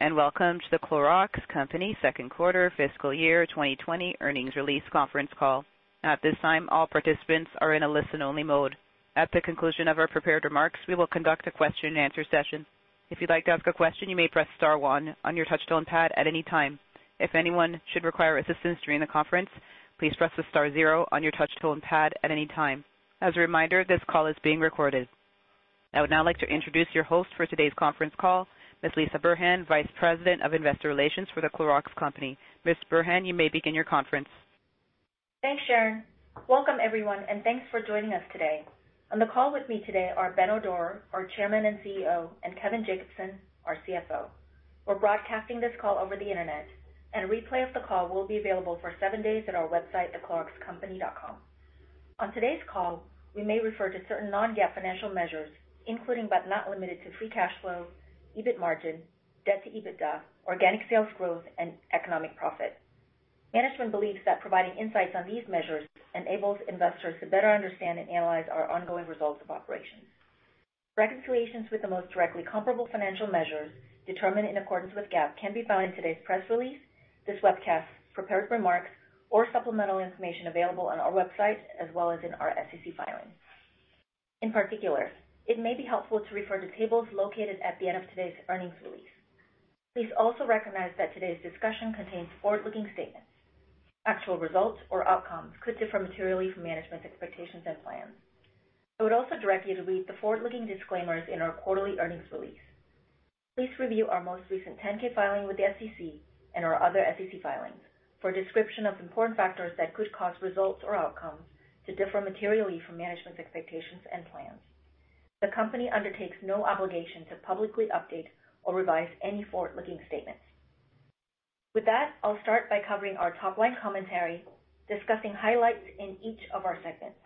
Welcome to the Clorox Company second quarter fiscal year 2020 earnings release conference call. At this time, all participants are in a listen-only mode. At the conclusion of our prepared remarks, we will conduct a question-and-answer session. If you'd like to ask a question, you may press star one on your touch-tone pad at any time. If anyone should require assistance during the conference, please press the star zero on your touch-tone pad at any time. As a reminder, this call is being recorded. I would now like to introduce your host for today's conference call, Ms. Lisah Burhan, Vice President of Investor Relations for the Clorox Company. Ms. Burhan, you may begin your conference. Thanks, Sharon. Welcome, everyone, and thanks for joining us today. On the call with me today are Benno Dorer, our Chairman and CEO, and Kevin Jacobsen, our CFO. We're broadcasting this call over the internet, and a replay of the call will be available for seven days at our website, thecloroxcompany.com. On today's call, we may refer to certain non-GAAP financial measures, including but not limited to free cash flow, EBIT margin, debt to EBITDA, organic sales growth, and economic profit. Management believes that providing insights on these measures enables investors to better understand and analyze our ongoing results of operations. Reconciliations with the most directly comparable financial measures determined in accordance with GAAP can be found in today's press release, this webcast, prepared remarks, or supplemental information available on our website as well as in our SEC filing. In particular, it may be helpful to refer to tables located at the end of today's earnings release. Please also recognize that today's discussion contains forward-looking statements. Actual results or outcomes could differ materially from management's expectations and plans. I would also direct you to read the forward-looking disclaimers in our quarterly earnings release. Please review our most recent 10-K filing with the SEC and our other SEC filings for a description of important factors that could cause results or outcomes to differ materially from management's expectations and plans. The company undertakes no obligation to publicly update or revise any forward-looking statements. With that, I'll start by covering our top-line commentary, discussing highlights in each of our segments.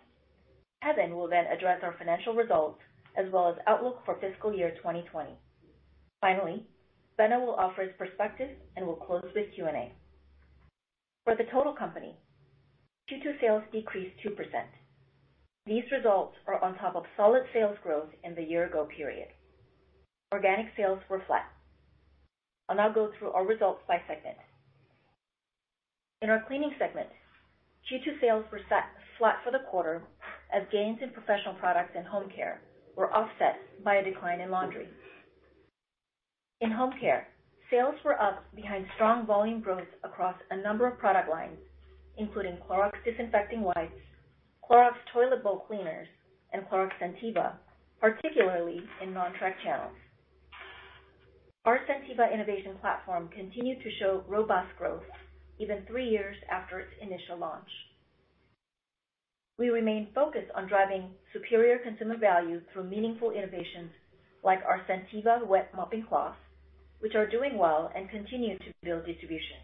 Kevin will then address our financial results as well as outlook for fiscal year 2020. Finally, Benno will offer his perspective and will close with Q&A. For the total company, Q2 sales decreased 2%. These results are on top of solid sales growth in the year-ago period. Organic sales were flat. I'll now go through our results by segment. In our cleaning segment, Q2 sales were flat for the quarter as gains in professional products and home care were offset by a decline in laundry. In home care, sales were up behind strong volume growth across a number of product lines, including Clorox disinfecting wipes, Clorox toilet bowl cleaners, and Clorox Scentiva, particularly in non-track channels. Our Scentiva innovation platform continued to show robust growth even three years after its initial launch. We remain focused on driving superior consumer value through meaningful innovations like our Scentiva wet mopping cloths, which are doing well and continue to build distribution.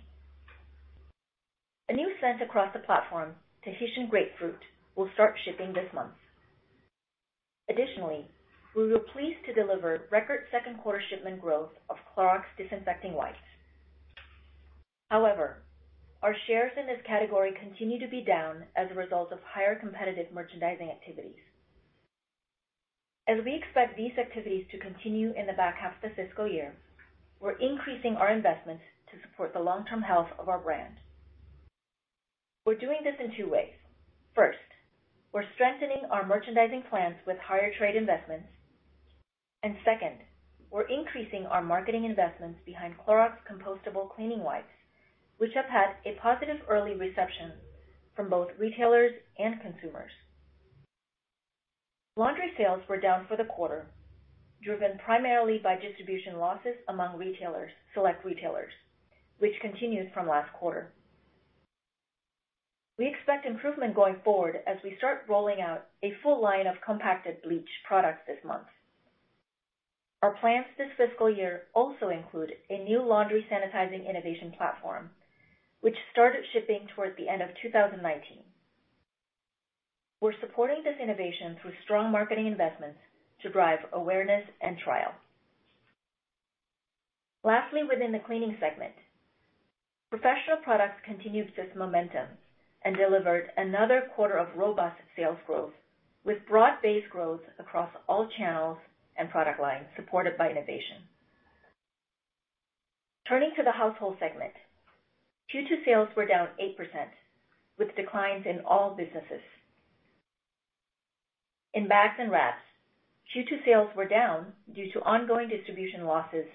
A new scent across the platform, Tahitian Grapefruit, will start shipping this month. Additionally, we were pleased to deliver record second quarter shipment growth of Clorox disinfecting wipes. However, our shares in this category continue to be down as a result of higher competitive merchandising activities. As we expect these activities to continue in the back half of the fiscal year, we're increasing our investments to support the long-term health of our brand. We're doing this in two ways. First, we're strengthening our merchandising plans with higher trade investments. Second, we're increasing our marketing investments behind Clorox compostable cleaning wipes, which have had a positive early reception from both retailers and consumers. Laundry sales were down for the quarter, driven primarily by distribution losses among select retailers, which continues from last quarter. We expect improvement going forward as we start rolling out a full line of compacted bleach products this month. Our plans this fiscal year also include a new laundry sanitizing innovation platform, which started shipping toward the end of 2019. We're supporting this innovation through strong marketing investments to drive awareness and trial. Lastly, within the cleaning segment, professional products continued this momentum and delivered another quarter of robust sales growth with broad base growth across all channels and product lines supported by innovation. Turning to the household segment, Q2 sales were down 8% with declines in all businesses. In bags and wraps, Q2 sales were down due to ongoing distribution losses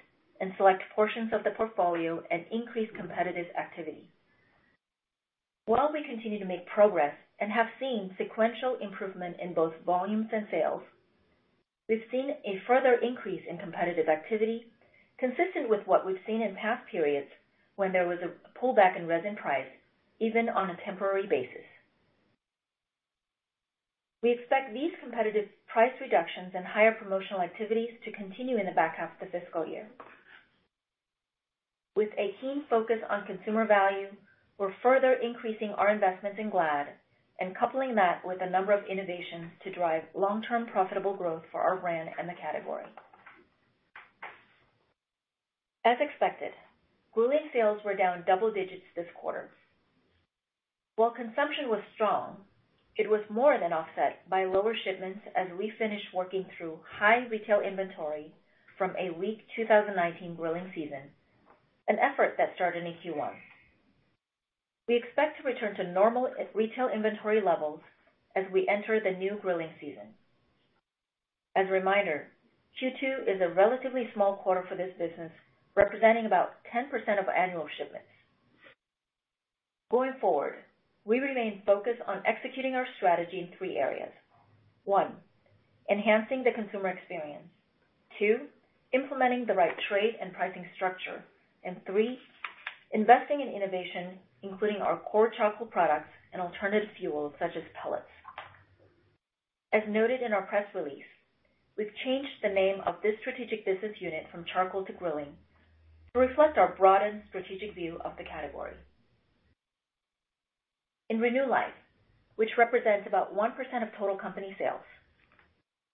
in select portions of the portfolio and increased competitive activity. While we continue to make progress and have seen sequential improvement in both volumes and sales, we've seen a further increase in competitive activity consistent with what we've seen in past periods when there was a pullback in resin price, even on a temporary basis. We expect these competitive price reductions and higher promotional activities to continue in the back half of the fiscal year. With a keen focus on consumer value, we're further increasing our investments in Glad and coupling that with a number of innovations to drive long-term profitable growth for our brand and the category. As expected, grilling sales were down double digits this quarter. While consumption was strong, it was more than offset by lower shipments as we finished working through high retail inventory from a weak 2019 grilling season, an effort that started in Q1. We expect to return to normal retail inventory levels as we enter the new grilling season. As a reminder, Q2 is a relatively small quarter for this business, representing about 10% of annual shipments. Going forward, we remain focused on executing our strategy in three areas: one, enhancing the consumer experience; two, implementing the right trade and pricing structure; and three, investing in innovation, including our core charcoal products and alternative fuels such as pellets. As noted in our press release, we've changed the name of this strategic business unit from charcoal to grilling to reflect our broadened strategic view of the category. In RenewLife, which represents about 1% of total company sales,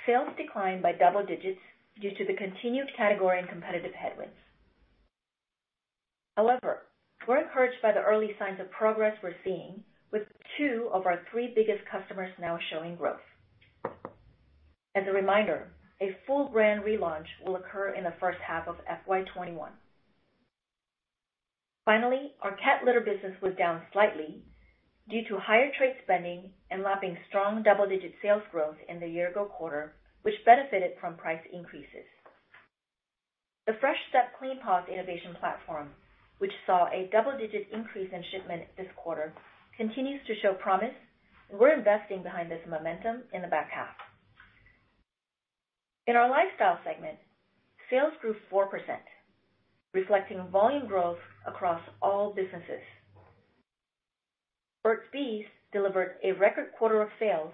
sales declined by double digits due to the continued category and competitive headwinds. However, we're encouraged by the early signs of progress we're seeing, with two of our three biggest customers now showing growth. As a reminder, a full brand relaunch will occur in the first half of FY2021. Finally, our cat litter business was down slightly due to higher trade spending and lapping strong double-digit sales growth in the year-ago quarter, which benefited from price increases. The Fresh Step Clean Paws innovation platform, which saw a double-digit increase in shipment this quarter, continues to show promise, and we're investing behind this momentum in the back half. In our lifestyle segment, sales grew 4%, reflecting volume growth across all businesses. Burt's Bees delivered a record quarter of sales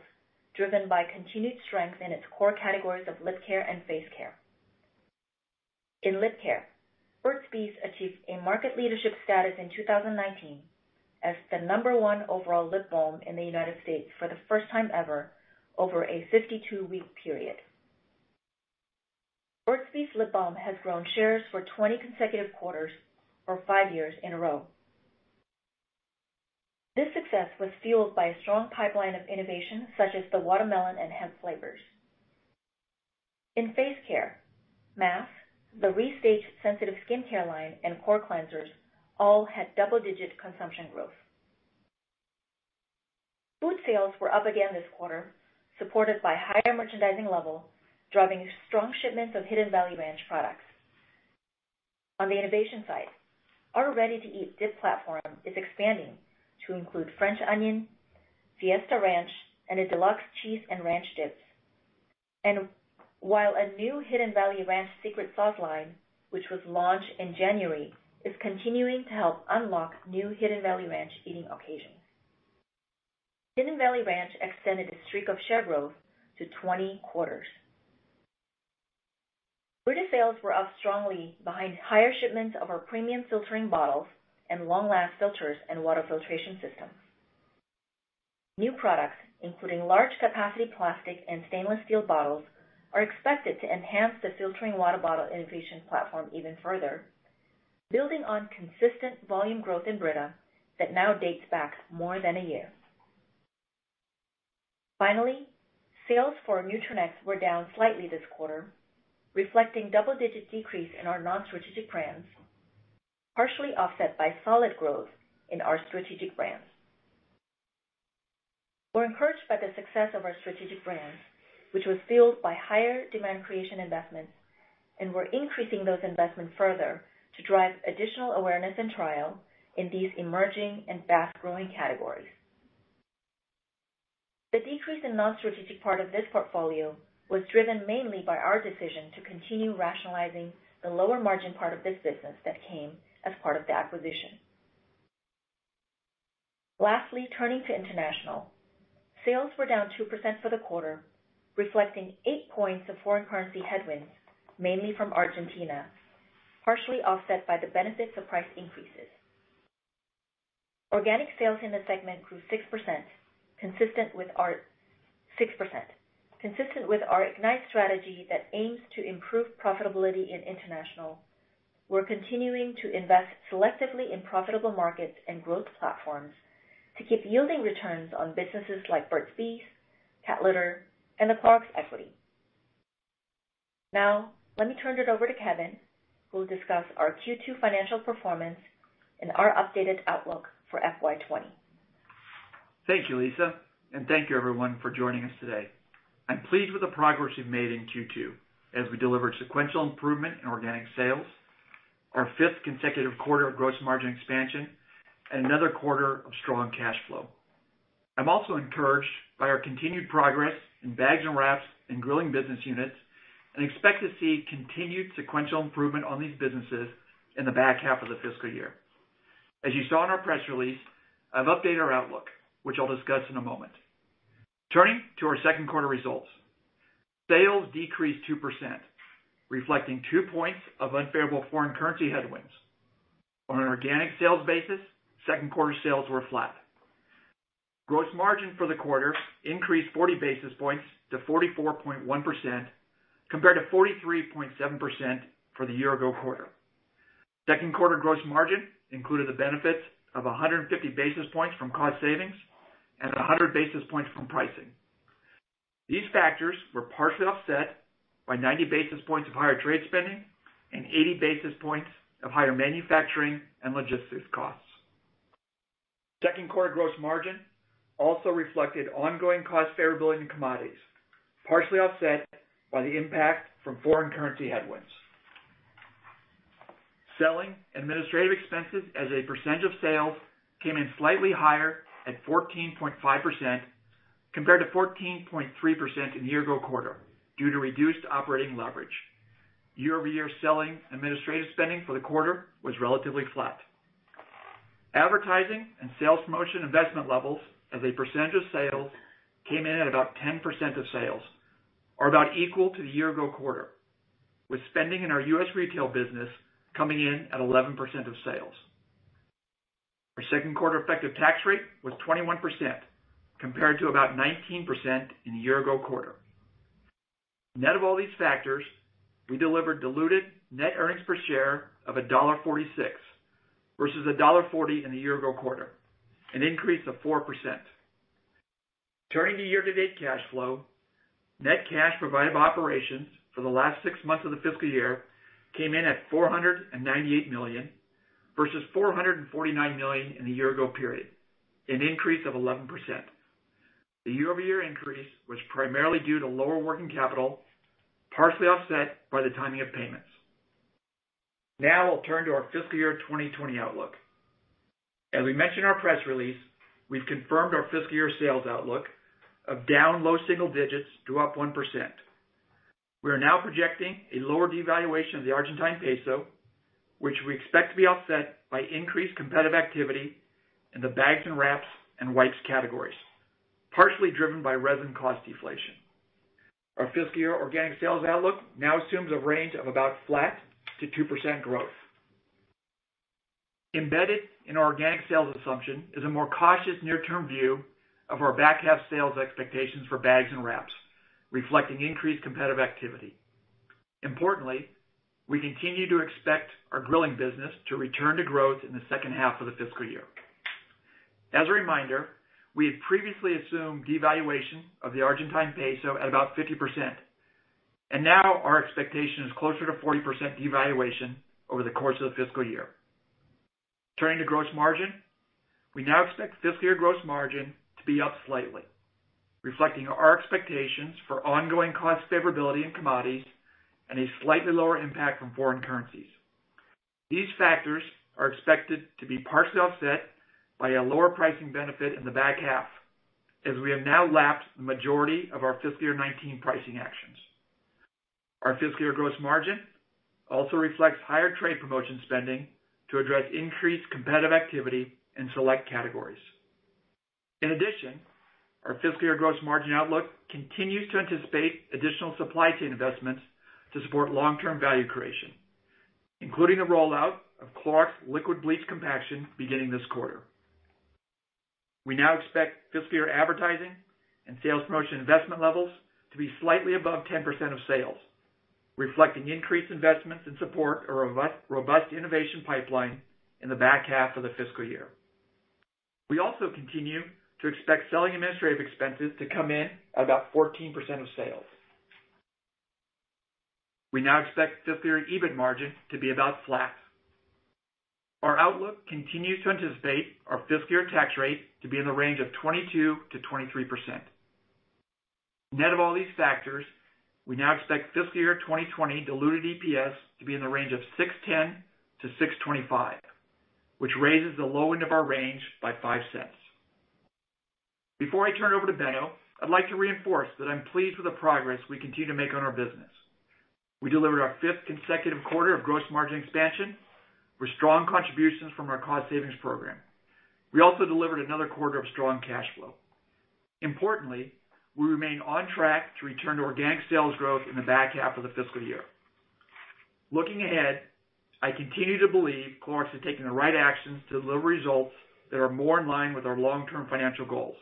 driven by continued strength in its core categories of lip care and face care. In lip care, Burt's Bees achieved a market leadership status in 2019 as the number one overall lip balm in the United States for the first time ever over a 52-week period. Burt's Bees lip balm has grown shares for 20 consecutive quarters for five years in a row. This success was fueled by a strong pipeline of innovation such as the watermelon and hemp flavors. In face care, masks, the Re-Stage Sensitive Skin Care line, and core cleansers all had double-digit consumption growth. Food sales were up again this quarter, supported by higher merchandising level, driving strong shipments of Hidden Valley Ranch products. On the innovation side, our ready-to-eat dip platform is expanding to include French onion, Fiesta Ranch, and a deluxe cheese and ranch dips, while a new Hidden Valley Ranch secret sauce line, which was launched in January, is continuing to help unlock new Hidden Valley Ranch eating occasions. Hidden Valley Ranch extended its streak of share growth to 20 quarters. Food sales were up strongly behind higher shipments of our premium filtering bottles and long-last filters and water filtration systems. New products, including large-capacity plastic and stainless steel bottles, are expected to enhance the filtering water bottle innovation platform even further, building on consistent volume growth in Brita that now dates back more than a year. Finally, sales for Nutranext were down slightly this quarter, reflecting a double-digit decrease in our non-strategic brands, partially offset by solid growth in our strategic brands. We're encouraged by the success of our strategic brands, which was fueled by higher demand creation investments, and we're increasing those investments further to drive additional awareness and trial in these emerging and fast-growing categories. The decrease in the non-strategic part of this portfolio was driven mainly by our decision to continue rationalizing the lower margin part of this business that came as part of the acquisition. Lastly, turning to international, sales were down 2% for the quarter, reflecting eight points of foreign currency headwinds, mainly from Argentina, partially offset by the benefits of price increases. Organic sales in the segment grew 6%, consistent with our Ignite strategy that aims to improve profitability in international. We're continuing to invest selectively in profitable markets and growth platforms to keep yielding returns on businesses like Burt's Bees, Cat Litter, and the Clorox Equity. Now, let me turn it over to Kevin, who will discuss our Q2 financial performance and our updated outlook for FY2020. Thank you, Lisah, and thank you, everyone, for joining us today. I'm pleased with the progress we've made in Q2 as we delivered sequential improvement in organic sales, our fifth consecutive quarter of gross margin expansion, and another quarter of strong cash flow. I'm also encouraged by our continued progress in bags and wraps and grilling business units and expect to see continued sequential improvement on these businesses in the back half of the fiscal year. As you saw in our press release, I've updated our outlook, which I'll discuss in a moment. Turning to our second quarter results, sales decreased 2%, reflecting two points of unfavorable foreign currency headwinds. On an organic sales basis, second quarter sales were flat. Gross margin for the quarter increased 40 basis points to 44.1% compared to 43.7% for the year-ago quarter. Second quarter gross margin included the benefits of 150 basis points from cost savings and 100 basis points from pricing. These factors were partially offset by 90 basis points of higher trade spending and 80 basis points of higher manufacturing and logistics costs. Second quarter gross margin also reflected ongoing cost favorability in commodities, partially offset by the impact from foreign currency headwinds. Selling administrative expenses as a percentage of sales came in slightly higher at 14.5% compared to 14.3% in the year-ago quarter due to reduced operating leverage. Year-over-year selling administrative spending for the quarter was relatively flat. Advertising and sales promotion investment levels as a percentage of sales came in at about 10% of sales, or about equal to the year-ago quarter, with spending in our U.S. retail business coming in at 11% of sales. Our second quarter effective tax rate was 21% compared to about 19% in the year-ago quarter. Net of all these factors, we delivered diluted net earnings per share of $1.46 versus $1.40 in the year-ago quarter, an increase of 4%. Turning to year-to-date cash flow, net cash provided by operations for the last six months of the fiscal year came in at $498 million versus $449 million in the year-ago period, an increase of 11%. The year-over-year increase was primarily due to lower working capital, partially offset by the timing of payments. Now, I'll turn to our fiscal year 2020 outlook. As we mentioned in our press release, we've confirmed our fiscal year sales outlook of down low single digits to up 1%. We are now projecting a lower devaluation of the Argentine peso, which we expect to be offset by increased competitive activity in the bags and wraps and wipes categories, partially driven by resin cost deflation. Our fiscal year organic sales outlook now assumes a range of about flat to 2% growth. Embedded in our organic sales assumption is a more cautious near-term view of our back half sales expectations for bags and wraps, reflecting increased competitive activity. Importantly, we continue to expect our grilling business to return to growth in the second half of the fiscal year. As a reminder, we had previously assumed devaluation of the Argentine peso at about 50%, and now our expectation is closer to 40% devaluation over the course of the fiscal year. Turning to gross margin, we now expect fiscal year gross margin to be up slightly, reflecting our expectations for ongoing cost favorability in commodities and a slightly lower impact from foreign currencies. These factors are expected to be partially offset by a lower pricing benefit in the back half, as we have now lapped the majority of our fiscal year 2019 pricing actions. Our fiscal year gross margin also reflects higher trade promotion spending to address increased competitive activity in select categories. In addition, our fiscal year gross margin outlook continues to anticipate additional supply chain investments to support long-term value creation, including the rollout of Clorox liquid bleach compaction beginning this quarter. We now expect fiscal year advertising and sales promotion investment levels to be slightly above 10% of sales, reflecting increased investments in support of a robust innovation pipeline in the back half of the fiscal year. We also continue to expect selling administrative expenses to come in at about 14% of sales. We now expect fiscal year EBIT margin to be about flat. Our outlook continues to anticipate our fiscal year tax rate to be in the range of 22%-23%. Net of all these factors, we now expect fiscal year 2020 diluted EPS to be in the range of $6.10-$6.25, which raises the low end of our range by $0.05. Before I turn it over to Benno, I'd like to reinforce that I'm pleased with the progress we continue to make on our business. We delivered our fifth consecutive quarter of gross margin expansion with strong contributions from our cost savings program. We also delivered another quarter of strong cash flow. Importantly, we remain on track to return to organic sales growth in the back half of the fiscal year. Looking ahead, I continue to believe Clorox is taking the right actions to deliver results that are more in line with our long-term financial goals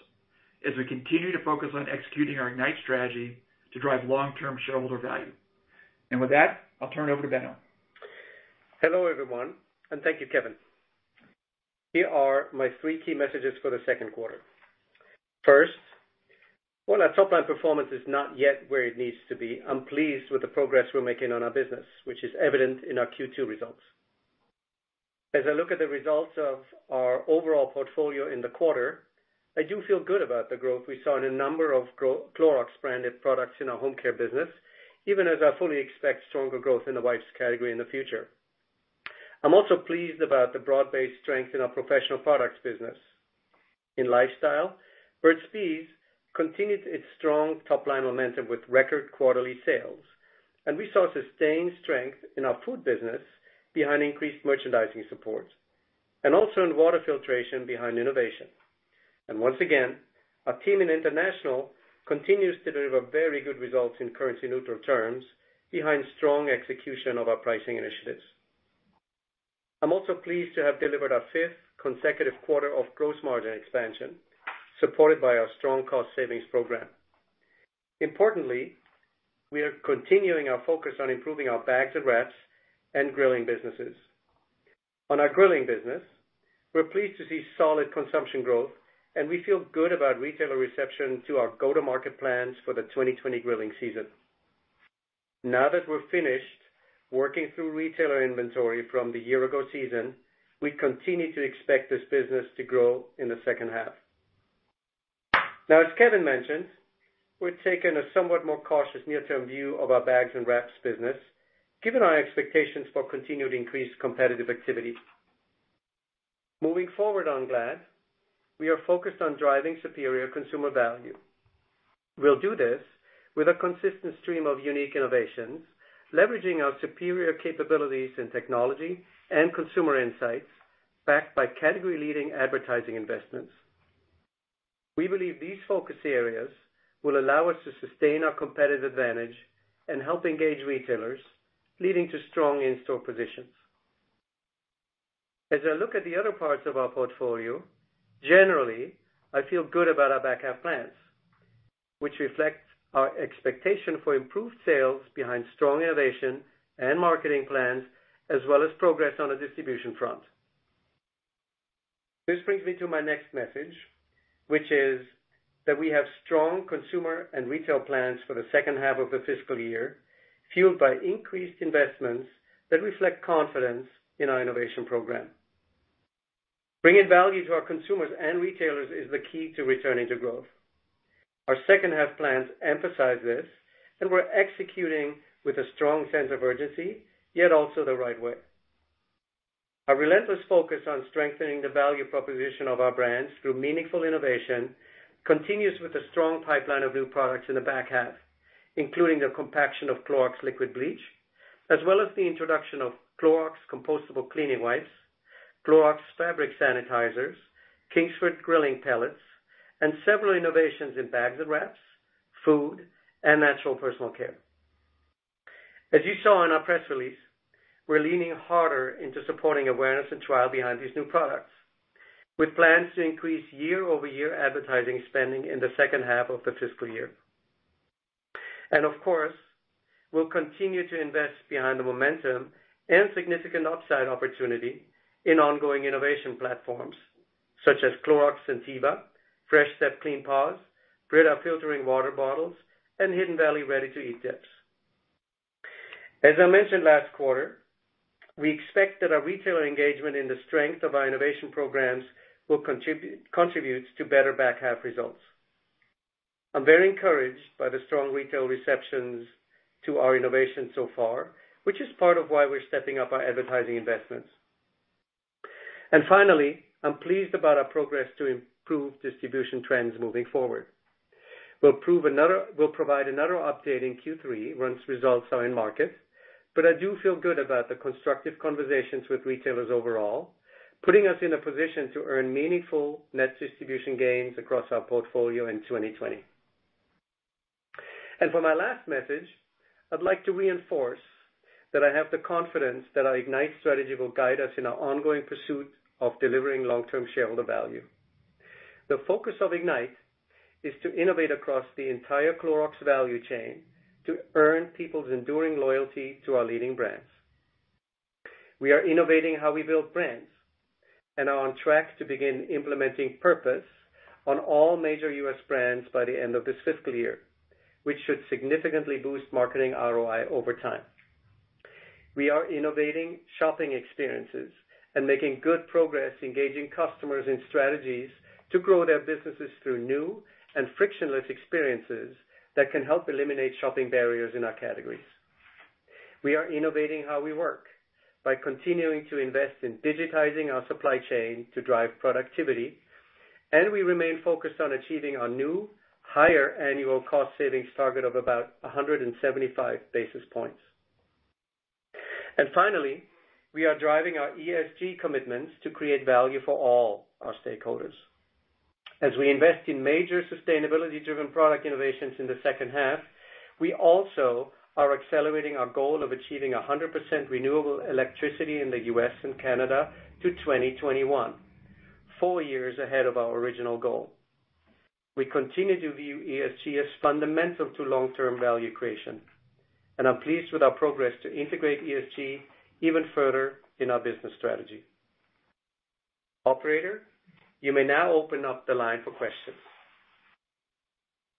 as we continue to focus on executing our Ignite strategy to drive long-term shareholder value. With that, I'll turn it over to Benno. Hello everyone, and thank you, Kevin. Here are my three key messages for the second quarter. First, while our top-line performance is not yet where it needs to be, I'm pleased with the progress we're making on our business, which is evident in our Q2 results. As I look at the results of our overall portfolio in the quarter, I do feel good about the growth we saw in a number of Clorox-branded products in our home care business, even as I fully expect stronger growth in the wipes category in the future. I'm also pleased about the broad-based strength in our professional products business. In lifestyle, Burt's Bees continued its strong top-line momentum with record quarterly sales, and we saw sustained strength in our food business behind increased merchandising support and also in water filtration behind innovation. Once again, our team in international continues to deliver very good results in currency-neutral terms behind strong execution of our pricing initiatives. I'm also pleased to have delivered our fifth consecutive quarter of gross margin expansion supported by our strong cost savings program. Importantly, we are continuing our focus on improving our bags and wraps and grilling businesses. On our grilling business, we're pleased to see solid consumption growth, and we feel good about retailer reception to our go-to-market plans for the 2020 grilling season. Now that we're finished working through retailer inventory from the year-ago season, we continue to expect this business to grow in the second half. As Kevin mentioned, we're taking a somewhat more cautious near-term view of our bags and wraps business, given our expectations for continued increased competitive activity. Moving forward on Glad, we are focused on driving superior consumer value. We'll do this with a consistent stream of unique innovations, leveraging our superior capabilities in technology and consumer insights backed by category-leading advertising investments. We believe these focus areas will allow us to sustain our competitive advantage and help engage retailers, leading to strong in-store positions. As I look at the other parts of our portfolio, generally, I feel good about our back half plans, which reflect our expectation for improved sales behind strong innovation and marketing plans, as well as progress on a distribution front. This brings me to my next message, which is that we have strong consumer and retail plans for the second half of the fiscal year, fueled by increased investments that reflect confidence in our innovation program. Bringing value to our consumers and retailers is the key to returning to growth. Our second half plans emphasize this, and we're executing with a strong sense of urgency, yet also the right way. Our relentless focus on strengthening the value proposition of our brands through meaningful innovation continues with the strong pipeline of new products in the back half, including the compaction of Clorox liquid bleach, as well as the introduction of Clorox compostable cleaning wipes, Clorox fabric sanitizers, Kingsford grilling pellets, and several innovations in bags and wraps, food, and natural personal care. As you saw in our press release, we're leaning harder into supporting awareness and trial behind these new products, with plans to increase year-over-year advertising spending in the second half of the fiscal year. Of course, we'll continue to invest behind the momentum and significant upside opportunity in ongoing innovation platforms such as Clorox Scentiva, Fresh Step Clean Paws, Brita filtering bottles, and Hidden Valley Ranch dips. As I mentioned last quarter, we expect that our retailer engagement in the strength of our innovation programs will contribute to better back half results. I am very encouraged by the strong retail receptions to our innovation so far, which is part of why we are stepping up our advertising investments. Finally, I am pleased about our progress to improve distribution trends moving forward. We will provide another update in Q3 once results are in market, but I do feel good about the constructive conversations with retailers overall, putting us in a position to earn meaningful net distribution gains across our portfolio in 2020. For my last message, I would like to reinforce that I have the confidence that our Ignite strategy will guide us in our ongoing pursuit of delivering long-term shareholder value. The focus of Ignite is to innovate across the entire Clorox value chain to earn people's enduring loyalty to our leading brands. We are innovating how we build brands and are on track to begin implementing purpose on all major U.S. brands by the end of this fiscal year, which should significantly boost marketing ROI over time. We are innovating shopping experiences and making good progress engaging customers in strategies to grow their businesses through new and frictionless experiences that can help eliminate shopping barriers in our categories. We are innovating how we work by continuing to invest in digitizing our supply chain to drive productivity, and we remain focused on achieving our new higher annual cost savings target of about 175 basis points. We are driving our ESG commitments to create value for all our stakeholders. As we invest in major sustainability-driven product innovations in the second half, we also are accelerating our goal of achieving 100% renewable electricity in the U.S. and Canada to 2021, four years ahead of our original goal. We continue to view ESG as fundamental to long-term value creation, and I'm pleased with our progress to integrate ESG even further in our business strategy. Operator, you may now open up the line for questions.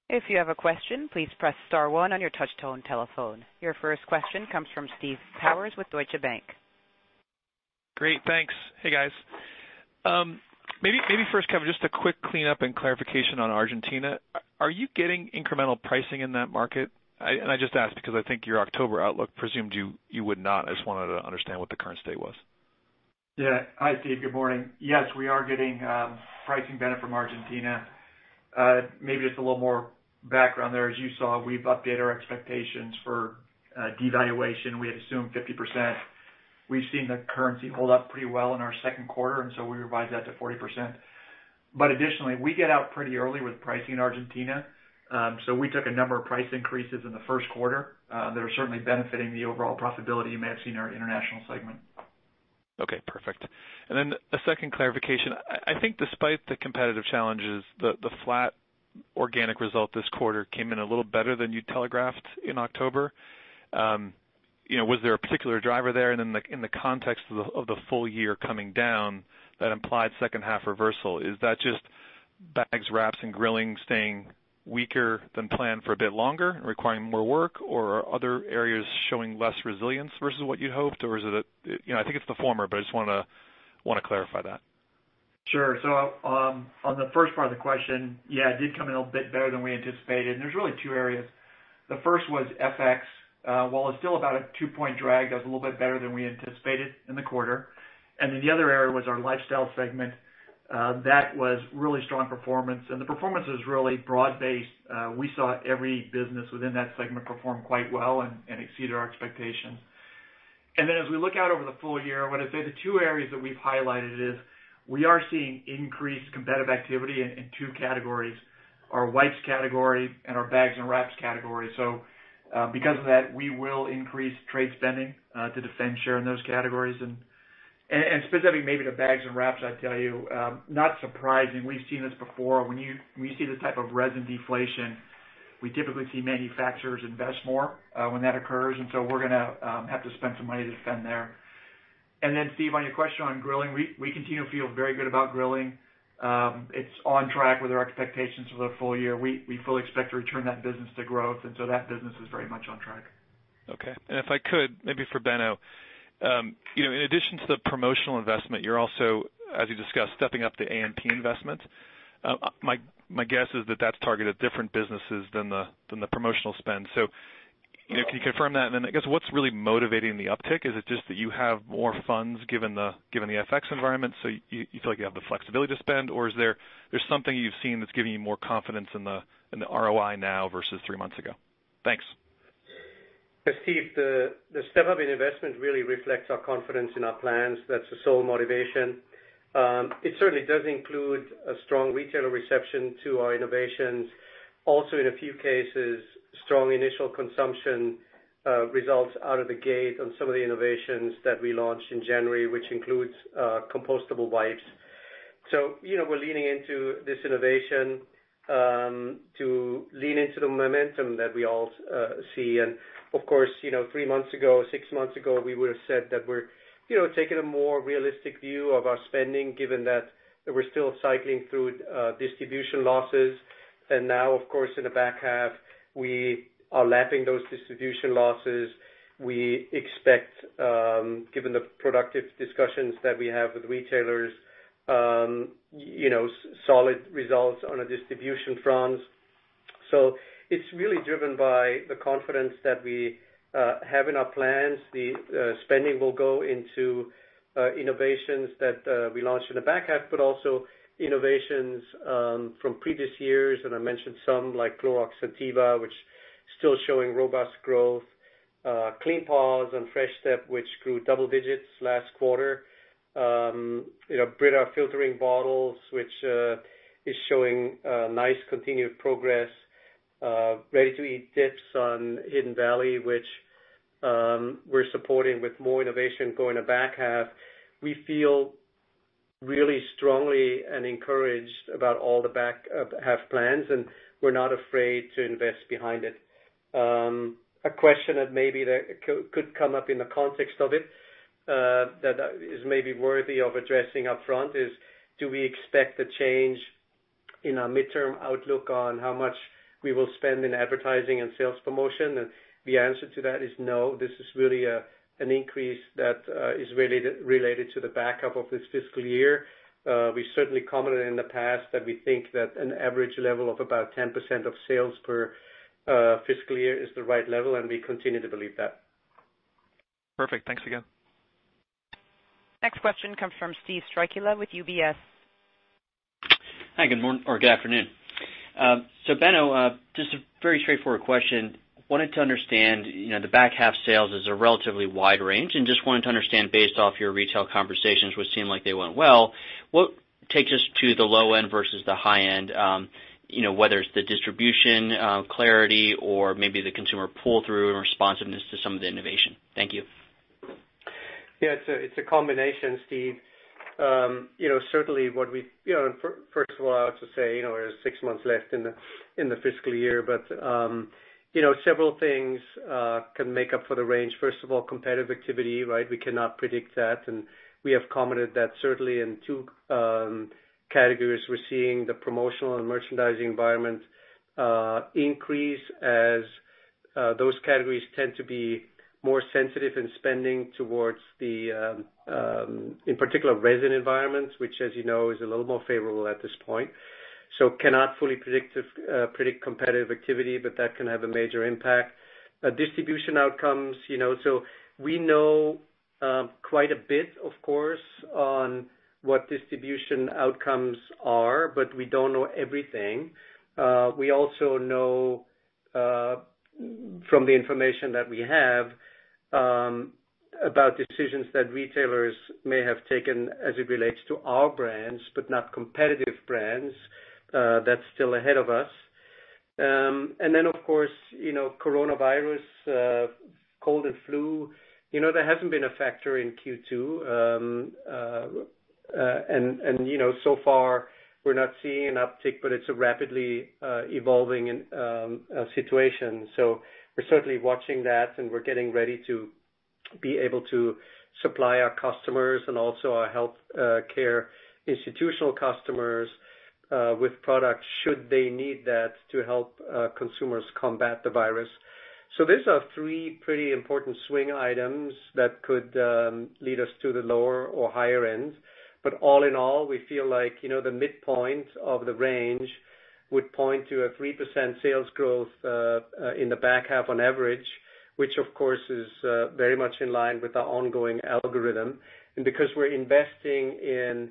If you have a question, please press star one on your touch-tone telephone. Your first question comes from Steve Powers with Deutsche Bank. Great, thanks. Hey guys. Maybe first, Kevin, just a quick cleanup and clarification on Argentina. Are you getting incremental pricing in that market? I just ask because I think your October outlook presumed you would not. I just wanted to understand what the current state was. Yeah, hi, Steve. Good morning. Yes, we are getting pricing benefit from Argentina. Maybe just a little more background there. As you saw, we've updated our expectations for devaluation. We had assumed 50%. We've seen the currency hold up pretty well in our second quarter, and we revised that to 40%. Additionally, we get out pretty early with pricing in Argentina. We took a number of price increases in the first quarter that are certainly benefiting the overall profitability you may have seen in our international segment. Okay, perfect. A second clarification. I think despite the competitive challenges, the flat organic result this quarter came in a little better than you telegraphed in October. Was there a particular driver there? In the context of the full year coming down, that implied second half reversal, is that just bags, wraps, and grilling staying weaker than planned for a bit longer and requiring more work? Are other areas showing less resilience versus what you'd hoped? I think it's the former, but I just want to clarify that. Sure. On the first part of the question, yeah, it did come in a bit better than we anticipated. There are really two areas. The first was FX. While it is still about a 2% drag, that was a little bit better than we anticipated in the quarter. The other area was our lifestyle segment. That was really strong performance. The performance is really broad-based. We saw every business within that segment perform quite well and exceeded our expectations. As we look out over the full year, what I would say is the two areas that we have highlighted are we are seeing increased competitive activity in two categories: our wipes category and our bags and wraps category. Because of that, we will increase trade spending to defend share in those categories. Specifically maybe to bags and wraps, I would tell you, not surprising. We've seen this before. When you see this type of resin deflation, we typically see manufacturers invest more when that occurs. We are going to have to spend some money to defend there. Steve, on your question on grilling, we continue to feel very good about grilling. It is on track with our expectations for the full year. We fully expect to return that business to growth. That business is very much on track. Okay. If I could, maybe for Benno, in addition to the promotional investment, you're also, as you discussed, stepping up the A&P investment. My guess is that that's targeted at different businesses than the promotional spend. Can you confirm that? I guess what's really motivating the uptick? Is it just that you have more funds given the FX environment, so you feel like you have the flexibility to spend? Is there something you've seen that's giving you more confidence in the ROI now versus three months ago? Thanks. Steve, the step-up in investment really reflects our confidence in our plans. That is the sole motivation. It certainly does include a strong retailer reception to our innovations. Also, in a few cases, strong initial consumption results out of the gate on some of the innovations that we launched in January, which includes compostable wipes. We are leaning into this innovation to lean into the momentum that we all see. Of course, three months ago, six months ago, we would have said that we are taking a more realistic view of our spending, given that we are still cycling through distribution losses. Now, of course, in the back half, we are lapping those distribution losses. We expect, given the productive discussions that we have with retailers, solid results on a distribution front. It is really driven by the confidence that we have in our plans. The spending will go into innovations that we launched in the back half, but also innovations from previous years. I mentioned some, like Clorox Scentiva, which is still showing robust growth. Clean Paws on Fresh Step, which grew double digits last quarter. Brita filtering bottles, which is showing nice continued progress. Ready-to-eat dips on Hidden Valley, which we're supporting with more innovation going to back half. We feel really strongly and encouraged about all the back half plans, and we're not afraid to invest behind it. A question that maybe could come up in the context of it that is maybe worthy of addressing upfront is, do we expect a change in our midterm outlook on how much we will spend in advertising and sales promotion? The answer to that is no. This is really an increase that is really related to the back half of this fiscal year. We certainly commented in the past that we think that an average level of about 10% of sales per fiscal year is the right level, and we continue to believe that. Perfect. Thanks again. Next question comes from Steve Strycula with UBS Investment Bank. Hi, good morning or good afternoon. Benno, just a very straightforward question. Wanted to understand the back half sales is a relatively wide range, and just wanted to understand based off your retail conversations, which seemed like they went well, what takes us to the low end versus the high end, whether it's the distribution clarity or maybe the consumer pull-through and responsiveness to some of the innovation. Thank you. Yeah, it's a combination, Steve. Certainly, what we, first of all, I'll just say there's six months left in the fiscal year, but several things can make up for the range. First of all, competitive activity, right? We cannot predict that. We have commented that certainly in two categories we're seeing the promotional and merchandising environment increase as those categories tend to be more sensitive in spending towards the, in particular, resin environments, which, as you know, is a little more favorable at this point. Cannot fully predict competitive activity, but that can have a major impact. Distribution outcomes. We know quite a bit, of course, on what distribution outcomes are, but we don't know everything. We also know from the information that we have about decisions that retailers may have taken as it relates to our brands, but not competitive brands, that's still ahead of us. Of course, coronavirus, cold and flu, that has not been a factor in Q2. So far, we are not seeing an uptick, but it is a rapidly evolving situation. We are certainly watching that, and we are getting ready to be able to supply our customers and also our healthcare institutional customers with products should they need that to help consumers combat the virus. These are three pretty important swing items that could lead us to the lower or higher end. All in all, we feel like the midpoint of the range would point to a 3% sales growth in the back half on average, which is very much in line with our ongoing algorithm. Because we're investing in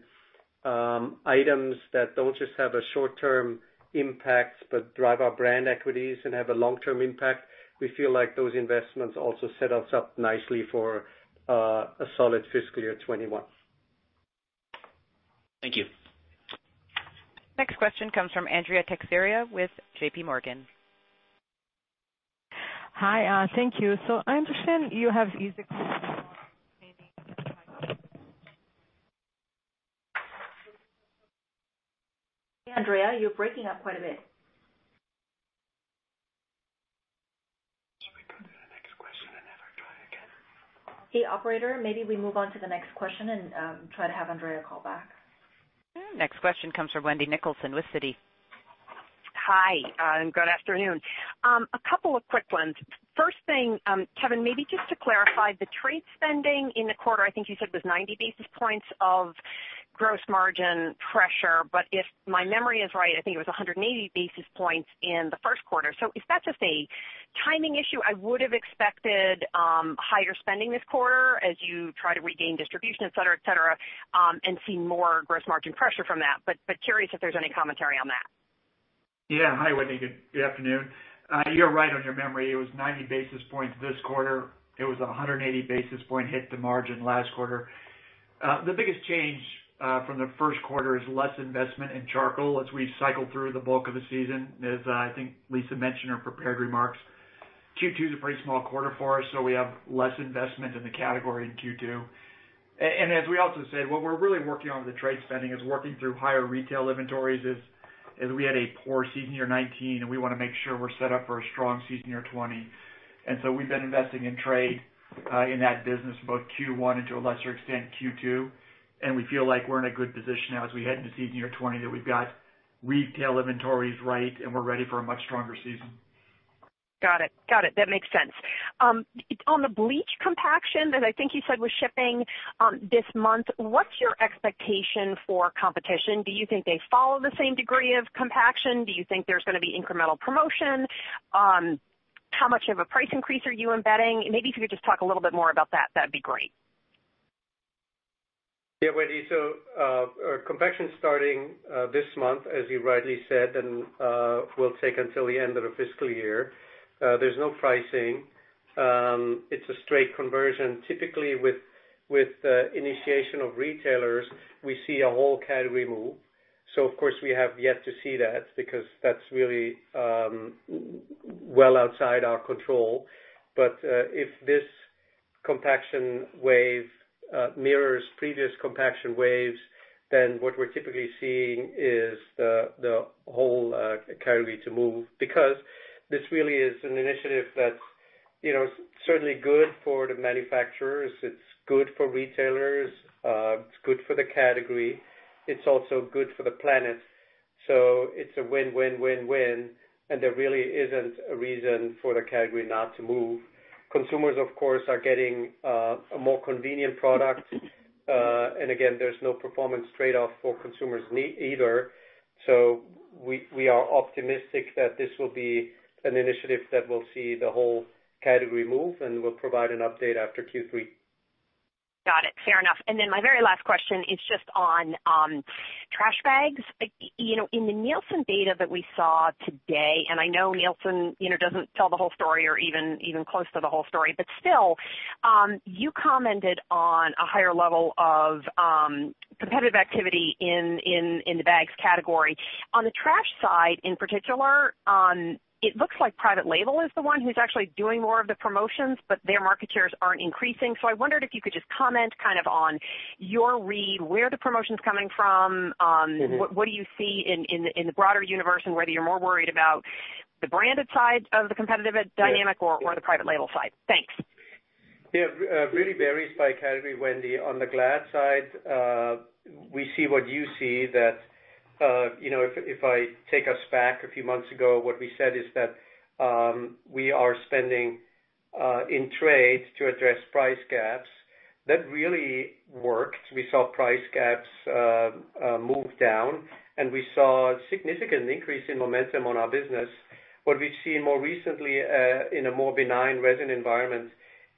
items that do not just have a short-term impact, but drive our brand equities and have a long-term impact, we feel like those investments also set us up nicely for a solid fiscal year 2021. Thank you. Next question comes from Andrea Teixeira with JPMorgan. Hi, thank you. I understand you have easy questions. Hey, Andrea, you're breaking up quite a bit. We go to the next question and never try again. Hey, Operator, maybe we move on to the next question and try to have Andrea call back. Next question comes from Wendy Nicholson with Citi. Hi, and good afternoon. A couple of quick ones. First thing, Kevin, maybe just to clarify, the trade spending in the quarter, I think you said was 90 basis points of gross margin pressure. If my memory is right, I think it was 180 basis points in the first quarter. Is that just a timing issue? I would have expected higher spending this quarter as you try to regain distribution, etc., etc., and see more gross margin pressure from that. Curious if there's any commentary on that. Yeah. Hi, Wendy. Good afternoon. You're right on your memory. It was 90 basis points this quarter. It was a 180 basis point hit to margin last quarter. The biggest change from the first quarter is less investment in charcoal as we cycle through the bulk of the season, as I think Lisah mentioned in her prepared remarks. Q2 is a pretty small quarter for us, so we have less investment in the category in Q2. As we also said, what we're really working on with the trade spending is working through higher retail inventories as we had a poor season year 2019, and we want to make sure we're set up for a strong season year 2020. We have been investing in trade in that business, both Q1 and to a lesser extent Q2. We feel like we're in a good position now as we head into season year 2020 that we've got retail inventories right, and we're ready for a much stronger season. Got it. Got it. That makes sense. On the bleach compaction, as I think you said was shipping this month, what's your expectation for competition? Do you think they follow the same degree of compaction? Do you think there's going to be incremental promotion? How much of a price increase are you embedding? Maybe if you could just talk a little bit more about that, that'd be great. Yeah, Wendy. Compaction starting this month, as you rightly said, will take until the end of the fiscal year. There is no pricing. It is a straight conversion. Typically, with the initiation of retailers, we see a whole category move. Of course, we have yet to see that because that is really well outside our control. If this compaction wave mirrors previous compaction waves, then what we are typically seeing is the whole category move. This really is an initiative that is certainly good for the manufacturers. It is good for retailers. It is good for the category. It is also good for the planet. It is a win, win, win, win. There really is not a reason for the category not to move. Consumers, of course, are getting a more convenient product. Again, there is no performance trade-off for consumers either. We are optimistic that this will be an initiative that will see the whole category move, and we'll provide an update after Q3. Got it. Fair enough. My very last question is just on trash bags. In the Nielsen data that we saw today, and I know Nielsen does not tell the whole story or even close to the whole story, but still, you commented on a higher level of competitive activity in the bags category. On the trash side, in particular, it looks like private label is the one who is actually doing more of the promotions, but their market shares are not increasing. I wondered if you could just comment kind of on your read, where the promotion is coming from, what you see in the broader universe, and whether you are more worried about the branded side of the competitive dynamic or the private label side. Thanks. Yeah. Really varies by category, Wendy. On the Glad side, we see what you see, that if I take us back a few months ago, what we said is that we are spending in trade to address price gaps. That really worked. We saw price gaps move down, and we saw a significant increase in momentum on our business. What we've seen more recently in a more benign resin environment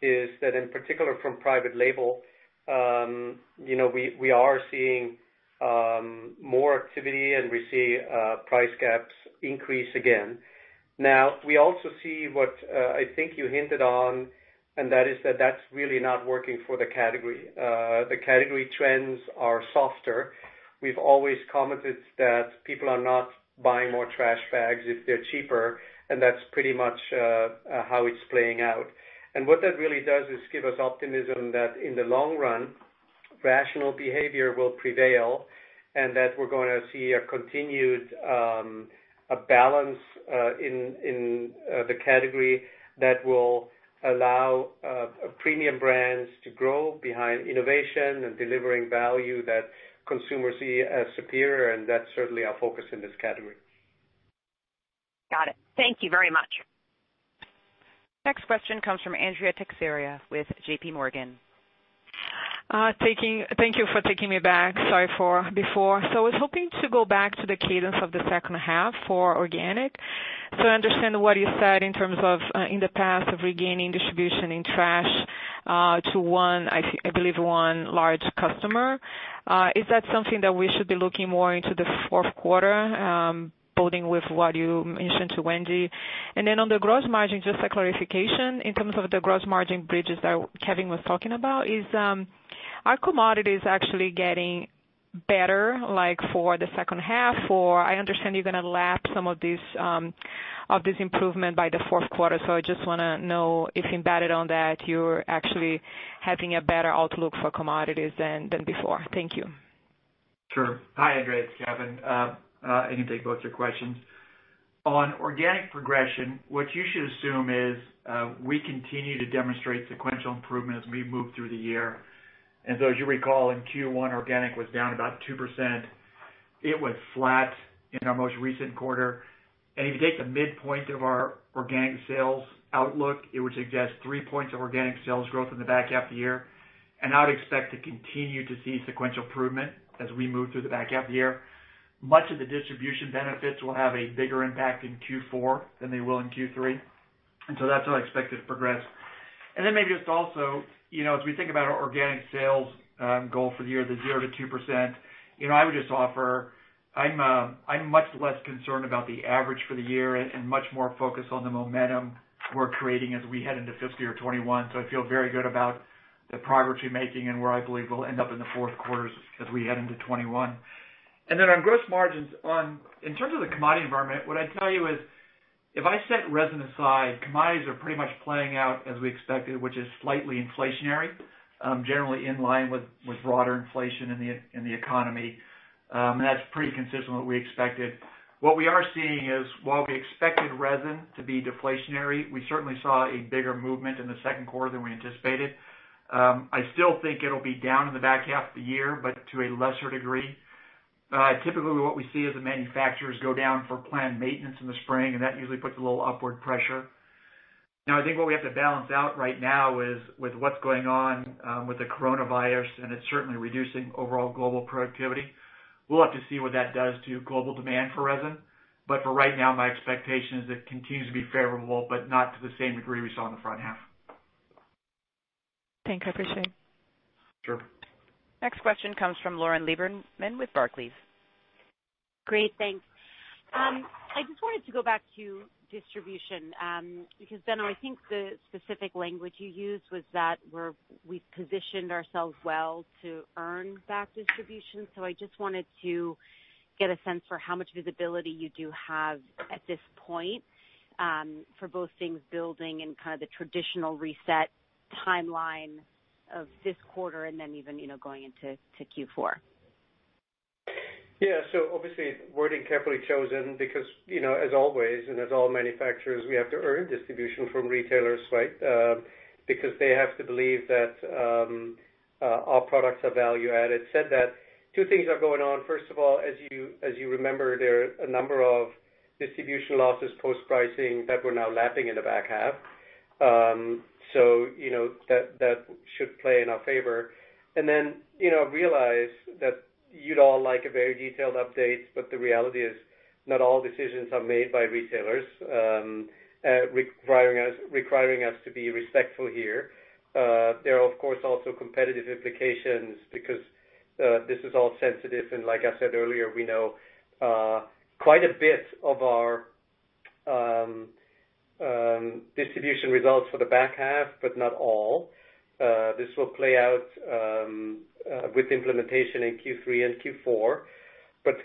is that, in particular, from private label, we are seeing more activity, and we see price gaps increase again. Now, we also see what I think you hinted on, and that is that that's really not working for the category. The category trends are softer. We've always commented that people are not buying more trash bags if they're cheaper, and that's pretty much how it's playing out. What that really does is give us optimism that in the long run, rational behavior will prevail, and that we're going to see a continued balance in the category that will allow premium brands to grow behind innovation and delivering value that consumers see as superior. That's certainly our focus in this category. Got it. Thank you very much. Next question comes from Andrea Teixeira with JPMorgan. Thank you for taking me back. Sorry for before. I was hoping to go back to the cadence of the second half for organic. I understand what you said in terms of in the past of regaining distribution in trash to, I believe, one large customer. Is that something that we should be looking more into the fourth quarter, building with what you mentioned to Wendy? On the gross margin, just a clarification in terms of the gross margin bridges that Kevin was talking about, are commodities actually getting better for the second half? I understand you're going to lap some of this improvement by the fourth quarter. I just want to know if embedded on that, you're actually having a better outlook for commodities than before. Thank you. Sure. Hi, Andrea. It's Kevin. I can take both your questions. On organic progression, what you should assume is we continue to demonstrate sequential improvement as we move through the year. As you recall, in Q1, organic was down about 2%. It was flat in our most recent quarter. If you take the midpoint of our organic sales outlook, it would suggest 3% organic sales growth in the back half of the year. I would expect to continue to see sequential improvement as we move through the back half of the year. Much of the distribution benefits will have a bigger impact in Q4 than they will in Q3. That is how I expect it to progress. As we think about our organic sales goal for the year, the 0-2%, I would just offer I'm much less concerned about the average for the year and much more focused on the momentum we're creating as we head into fiscal year 2021. I feel very good about the progress we're making and where I believe we'll end up in the fourth quarter as we head into 2021. On gross margins, in terms of the commodity environment, what I'd tell you is if I set resin aside, commodities are pretty much playing out as we expected, which is slightly inflationary, generally in line with broader inflation in the economy. That's pretty consistent with what we expected. What we are seeing is, while we expected resin to be deflationary, we certainly saw a bigger movement in the second quarter than we anticipated. I still think it'll be down in the back half of the year, but to a lesser degree. Typically, what we see is the manufacturers go down for planned maintenance in the spring, and that usually puts a little upward pressure. Now, I think what we have to balance out right now is with what's going on with the coronavirus, and it's certainly reducing overall global productivity. We'll have to see what that does to global demand for resin. For right now, my expectation is it continues to be favorable, but not to the same degree we saw in the front half. Thank you. I appreciate it. Sure. Next question comes from Lauren Lieberman with Barclays. Great. Thanks. I just wanted to go back to distribution because, Benno, I think the specific language you used was that we've positioned ourselves well to earn back distribution. I just wanted to get a sense for how much visibility you do have at this point for both things building and kind of the traditional reset timeline of this quarter and then even going into Q4. Yeah. Obviously, wording carefully chosen because, as always, and as all manufacturers, we have to earn distribution from retailers, right? Because they have to believe that our products are value-added. That said, two things are going on. First of all, as you remember, there are a number of distribution losses post-pricing that we're now lapping in the back half. That should play in our favor. Realize that you'd all like a very detailed update, but the reality is not all decisions are made by retailers, requiring us to be respectful here. There are, of course, also competitive implications because this is all sensitive. Like I said earlier, we know quite a bit of our distribution results for the back half, but not all. This will play out with implementation in Q3 and Q4.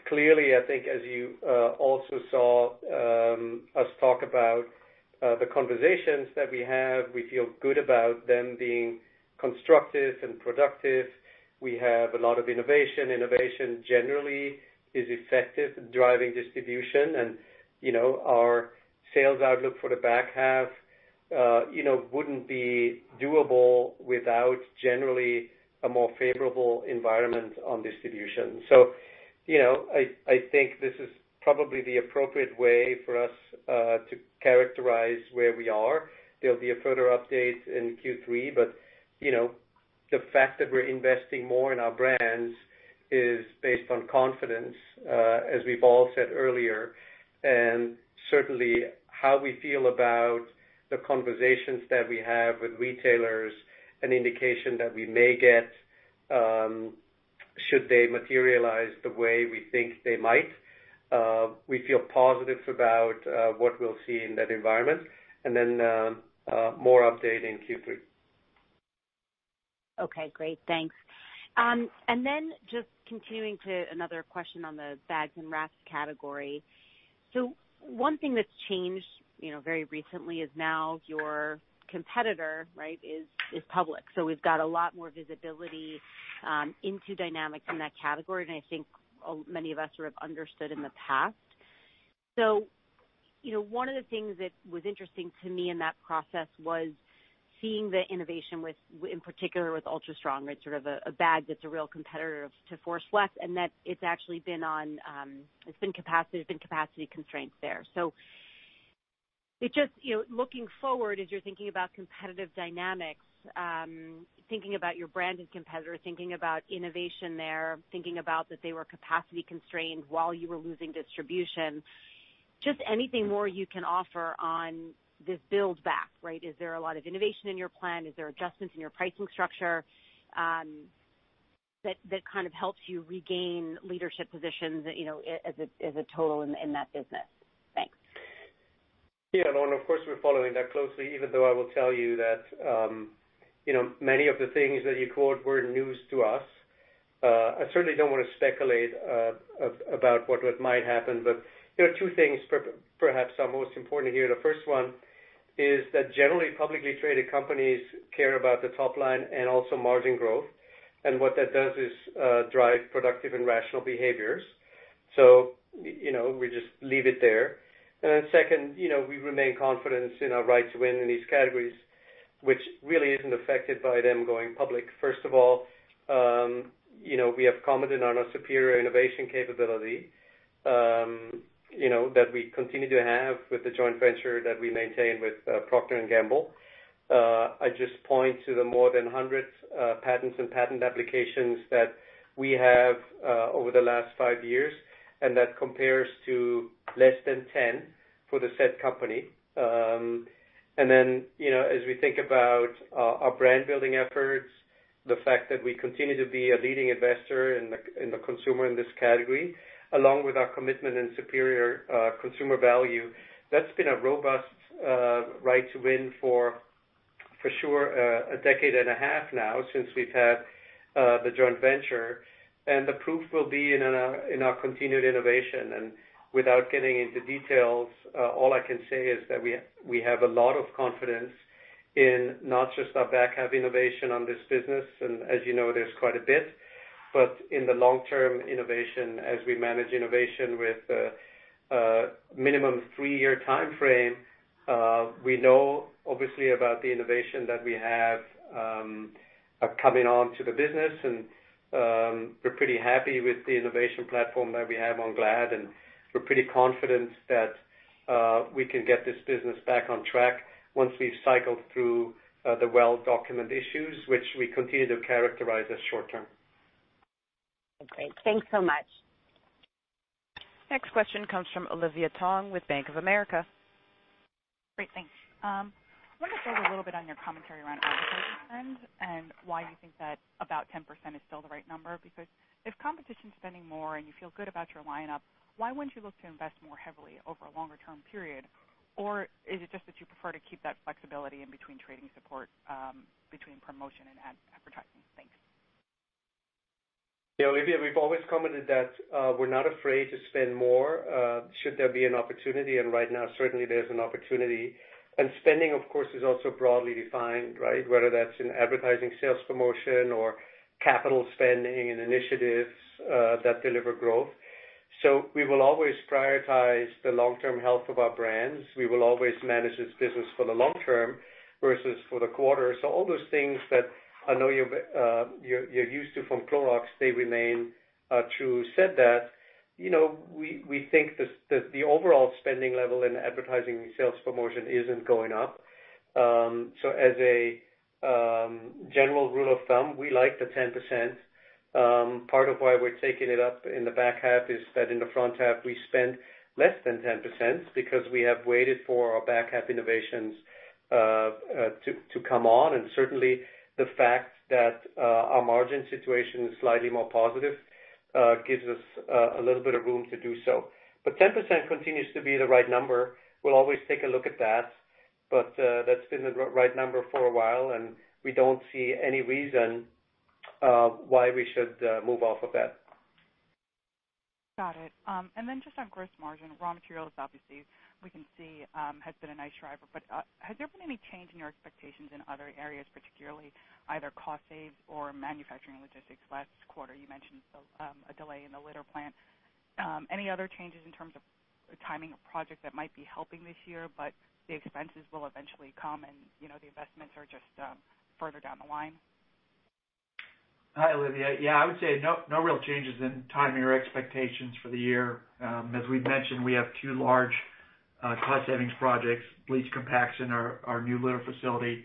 Clearly, I think as you also saw us talk about the conversations that we have, we feel good about them being constructive and productive. We have a lot of innovation. Innovation generally is effective in driving distribution. Our sales outlook for the back half would not be doable without generally a more favorable environment on distribution. I think this is probably the appropriate way for us to characterize where we are. There will be a further update in Q3, but the fact that we are investing more in our brands is based on confidence, as we have all said earlier. Certainly, how we feel about the conversations that we have with retailers is an indication that we may get should they materialize the way we think they might. We feel positive about what we will see in that environment. More update in Q3. Okay. Great. Thanks. Then just continuing to another question on the bags and wraps category. One thing that's changed very recently is now your competitor, right, is public. We have a lot more visibility into dynamics in that category than I think many of us sort of understood in the past. One of the things that was interesting to me in that process was seeing the innovation, in particular, with Ultra Strong, right, sort of a bag that's a real competitor to Forceflex, and that it's actually been on—there's been capacity constraints there. Looking forward, as you're thinking about competitive dynamics, thinking about your branded competitor, thinking about innovation there, thinking about that they were capacity constrained while you were losing distribution, just anything more you can offer on this build-back, right? Is there a lot of innovation in your plan? Is there adjustments in your pricing structure that kind of helps you regain leadership positions as a total in that business? Thanks. Yeah. Of course, we're following that closely, even though I will tell you that many of the things that you quote were news to us. I certainly don't want to speculate about what might happen, but there are two things perhaps are most important here. The first one is that generally, publicly traded companies care about the top line and also margin growth. What that does is drive productive and rational behaviors. We just leave it there. Second, we remain confident in our right to win in these categories, which really isn't affected by them going public. First of all, we have commented on a superior innovation capability that we continue to have with the joint venture that we maintain with Procter & Gamble. I just point to the more than 100 patents and patent applications that we have over the last five years, and that compares to less than 10 for the said company. As we think about our brand-building efforts, the fact that we continue to be a leading investor and a consumer in this category, along with our commitment and superior consumer value, that has been a robust right to win for, for sure, a decade and a half now since we have had the joint venture. The proof will be in our continued innovation. Without getting into details, all I can say is that we have a lot of confidence in not just our back half innovation on this business. As you know, there is quite a bit. In the long-term innovation, as we manage innovation with a minimum three-year time frame, we know obviously about the innovation that we have coming on to the business. We're pretty happy with the innovation platform that we have on Glad. We're pretty confident that we can get this business back on track once we've cycled through the well-documented issues, which we continue to characterize as short-term. Great. Thanks so much. Next question comes from Olivia Tong with Bank of America. Great. Thanks. I want to build a little bit on your commentary around advertising spend and why you think that about 10% is still the right number because if competition is spending more and you feel good about your lineup, why wouldn't you look to invest more heavily over a longer-term period? Is it just that you prefer to keep that flexibility in between trading support, between promotion and advertising? Thanks. Yeah. Olivia, we've always commented that we're not afraid to spend more should there be an opportunity. Right now, certainly, there's an opportunity. Spending, of course, is also broadly defined, right? Whether that's in advertising, sales promotion, or capital spending and initiatives that deliver growth. We will always prioritize the long-term health of our brands. We will always manage this business for the long term versus for the quarter. All those things that I know you're used to from Clorox, they remain true. Said that, we think that the overall spending level in advertising and sales promotion isn't going up. As a general rule of thumb, we like the 10%. Part of why we're taking it up in the back half is that in the front half, we spend less than 10% because we have waited for our back half innovations to come on. Certainly, the fact that our margin situation is slightly more positive gives us a little bit of room to do so. However, 10% continues to be the right number. We will always take a look at that. That has been the right number for a while, and we do not see any reason why we should move off of that. Got it. Just on gross margin, raw materials, obviously, we can see has been a nice driver. Has there been any change in your expectations in other areas, particularly either cost saves or manufacturing logistics? Last quarter, you mentioned a delay in the litter plant. Any other changes in terms of timing of projects that might be helping this year, but the expenses will eventually come and the investments are just further down the line? Hi, Olivia. Yeah. I would say no real changes in timing or expectations for the year. As we've mentioned, we have two large cost savings projects, Bleach Compaction, our new litter facility.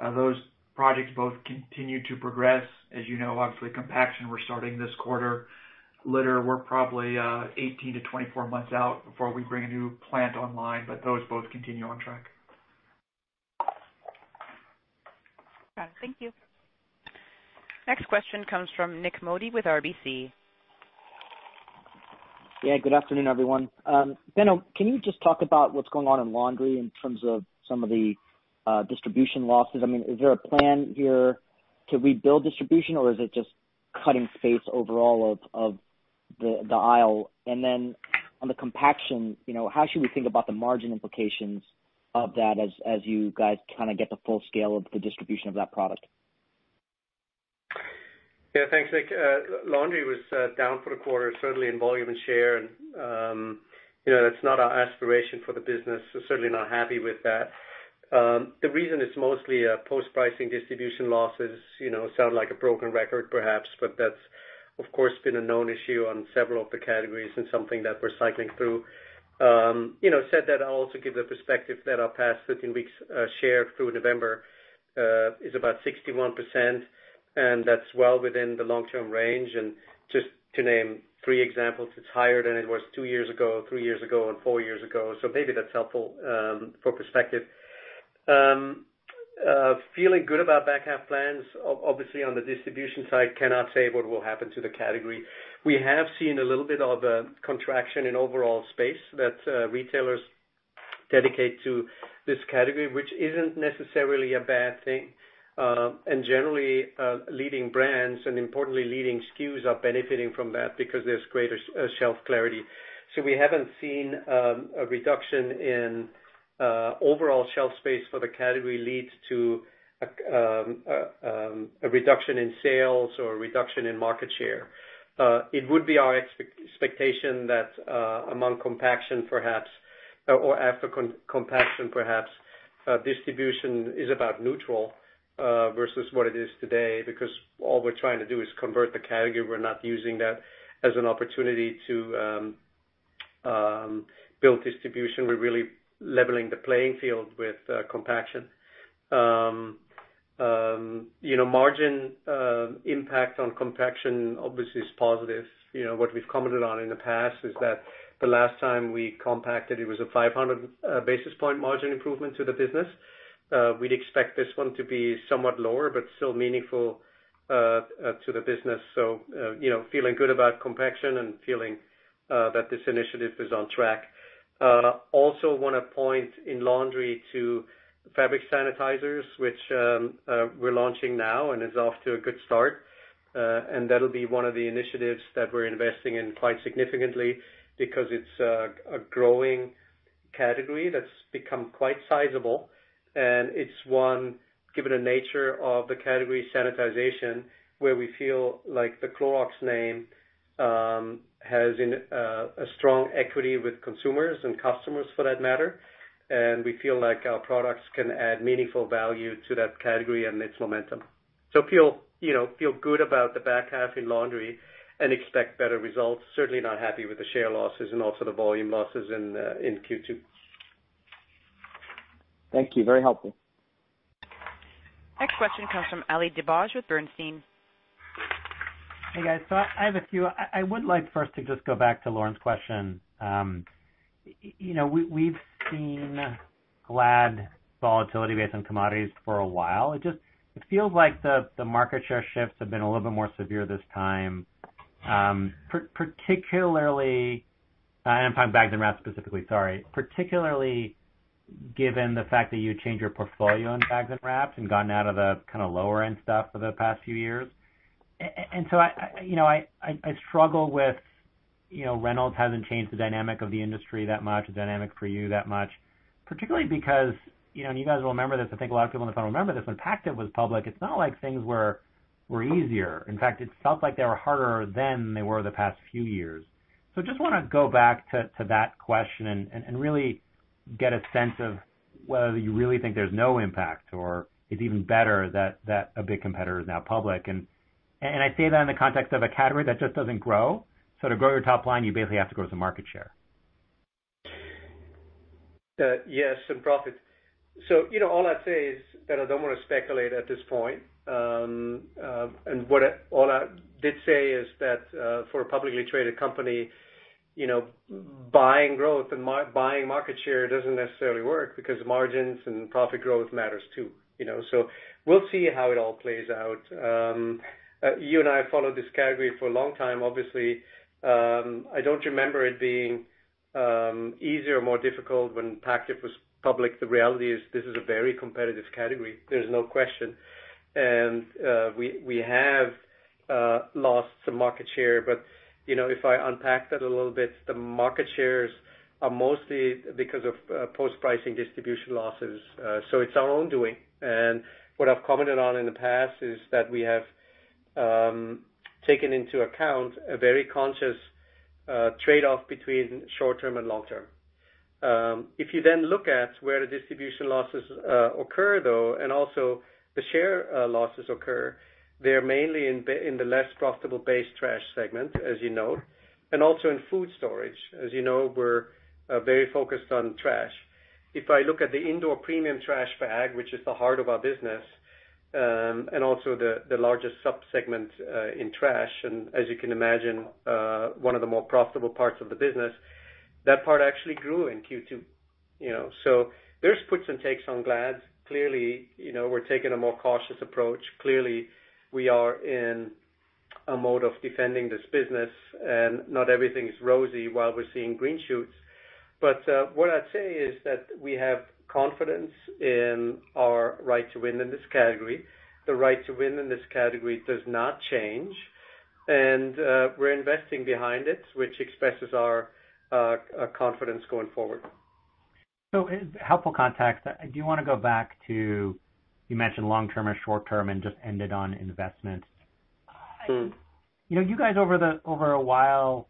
Those projects both continue to progress. As you know, obviously, Compaction, we're starting this quarter. Litter, we're probably 18-24 months out before we bring a new plant online. Those both continue on track. Got it. Thank you. Next question comes from Nick Modi with RBC. Yeah. Good afternoon, everyone. Benno, can you just talk about what's going on in laundry in terms of some of the distribution losses? I mean, is there a plan here to rebuild distribution, or is it just cutting space overall of the aisle? On the compaction, how should we think about the margin implications of that as you guys kind of get the full scale of the distribution of that product? Yeah. Thanks, Nick. Laundry was down for the quarter, certainly in volume and share. That is not our aspiration for the business. We are certainly not happy with that. The reason is mostly post-pricing distribution losses, sounds like a broken record, perhaps, but that has been a known issue on several of the categories and something that we are cycling through. Said that, I will also give the perspective that our past 13 weeks share through November is about 61%, and that is well within the long-term range. Just to name three examples, it is higher than it was two years ago, three years ago, and four years ago. Maybe that is helpful for perspective. Feeling good about back half plans, obviously, on the distribution side, cannot say what will happen to the category. We have seen a little bit of a contraction in overall space that retailers dedicate to this category, which is not necessarily a bad thing. Generally, leading brands and, importantly, leading SKUs are benefiting from that because there is greater shelf clarity. We have not seen a reduction in overall shelf space for the category lead to a reduction in sales or a reduction in market share. It would be our expectation that among Compaction, perhaps, or after Compaction, perhaps, distribution is about neutral versus what it is today because all we are trying to do is convert the category. We are not using that as an opportunity to build distribution. We are really leveling the playing field with Compaction. Margin impact on Compaction, obviously, is positive. What we have commented on in the past is that the last time we compacted, it was a 500 basis point margin improvement to the business. We'd expect this one to be somewhat lower but still meaningful to the business. Feeling good about Compaction and feeling that this initiative is on track. Also want to point in laundry to fabric sanitizers, which we're launching now and is off to a good start. That'll be one of the initiatives that we're investing in quite significantly because it's a growing category that's become quite sizable. It is one, given the nature of the category sanitization, where we feel like the Clorox name has a strong equity with consumers and customers for that matter. We feel like our products can add meaningful value to that category amidst momentum. Feel good about the back half in laundry and expect better results. Certainly not happy with the share losses and also the volume losses in Q2. Thank you. Very helpful. Next question comes from Ali Dibadj with Bernstein. Hey, guys. I have a few. I would like first to just go back to Lauren's question. We've seen Glad volatility based on commodities for a while. It feels like the market share shifts have been a little bit more severe this time, particularly—I am talking bags and wraps specifically, sorry—particularly given the fact that you have changed your portfolio in bags and wraps and gotten out of the kind of lower-end stuff for the past few years. I struggle with Reynolds has not changed the dynamic of the industry that much, the dynamic for you that much, particularly because—you guys will remember this. I think a lot of people on the phone will remember this—when Pactiv was public, it is not like things were easier. In fact, it felt like they were harder than they were the past few years. I just want to go back to that question and really get a sense of whether you really think there's no impact or it's even better that a big competitor is now public. I say that in the context of a category that just doesn't grow. To grow your top line, you basically have to grow some market share. Yes. Profit. All I'd say is that I don't want to speculate at this point. What I did say is that for a publicly traded company, buying growth and buying market share does not necessarily work because margins and profit growth matter too. We will see how it all plays out. You and I have followed this category for a long time. Obviously, I do not remember it being easier or more difficult when Pactiv was public. The reality is this is a very competitive category. There is no question. We have lost some market share. If I unpack that a little bit, the market shares are mostly because of post-pricing distribution losses. It is our own doing. What I have commented on in the past is that we have taken into account a very conscious trade-off between short-term and long-term. If you then look at where the distribution losses occur, though, and also the share losses occur, they're mainly in the less profitable base trash segment, as you know, and also in food storage. As you know, we're very focused on trash. If I look at the indoor premium trash bag, which is the heart of our business and also the largest subsegment in trash, and as you can imagine, one of the more profitable parts of the business, that part actually grew in Q2. There are puts and takes on Glad. Clearly, we're taking a more cautious approach. Clearly, we are in a mode of defending this business, and not everything is rosy while we're seeing green shoots. What I'd say is that we have confidence in our right to win in this category. The right to win in this category does not change. We're investing behind it, which expresses our confidence going forward. Helpful context. I do want to go back to you mentioned long-term or short-term and just ended on investment. You guys over a while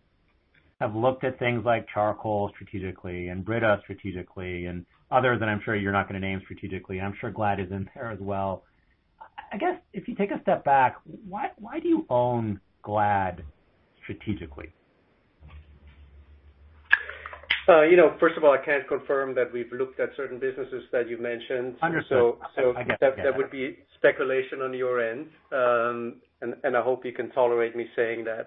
have looked at things like charcoal strategically and Brita strategically and others that I'm sure you're not going to name strategically. I'm sure Glad is in there as well. I guess if you take a step back, why do you own Glad strategically? First of all, I can't confirm that we've looked at certain businesses that you've mentioned. Understood. That would be speculation on your end. I hope you can tolerate me saying that.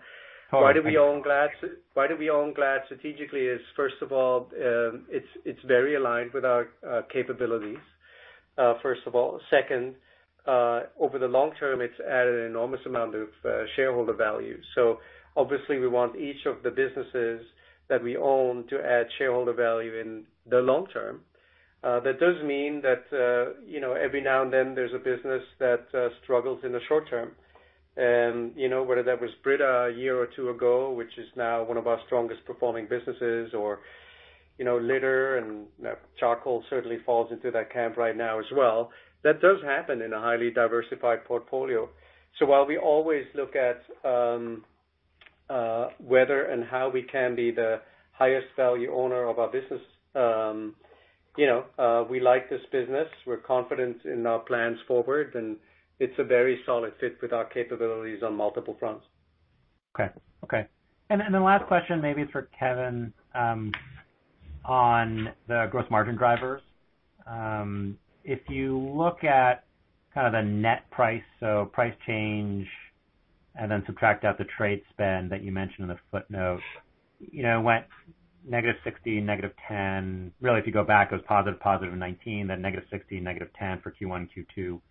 Why do we own Glad? Why do we own Glad strategically is, first of all, it is very aligned with our capabilities, first of all. Second, over the long term, it has added an enormous amount of shareholder value. Obviously, we want each of the businesses that we own to add shareholder value in the long term. That does mean that every now and then, there is a business that struggles in the short term. Whether that was Brita a year or two ago, which is now one of our strongest performing businesses, or litter and charcoal certainly falls into that camp right now as well. That does happen in a highly diversified portfolio. While we always look at whether and how we can be the highest value owner of our business, we like this business. We're confident in our plans forward, and it's a very solid fit with our capabilities on multiple fronts. Okay. Okay. Last question maybe for Kevin on the gross margin drivers. If you look at kind of the net price, so price change and then subtract out the trade spend that you mentioned in the footnote, it went negative 16, negative 10. Really, if you go back, it was positive, positive 19, then negative 16, negative 10 for Q1 and Q2.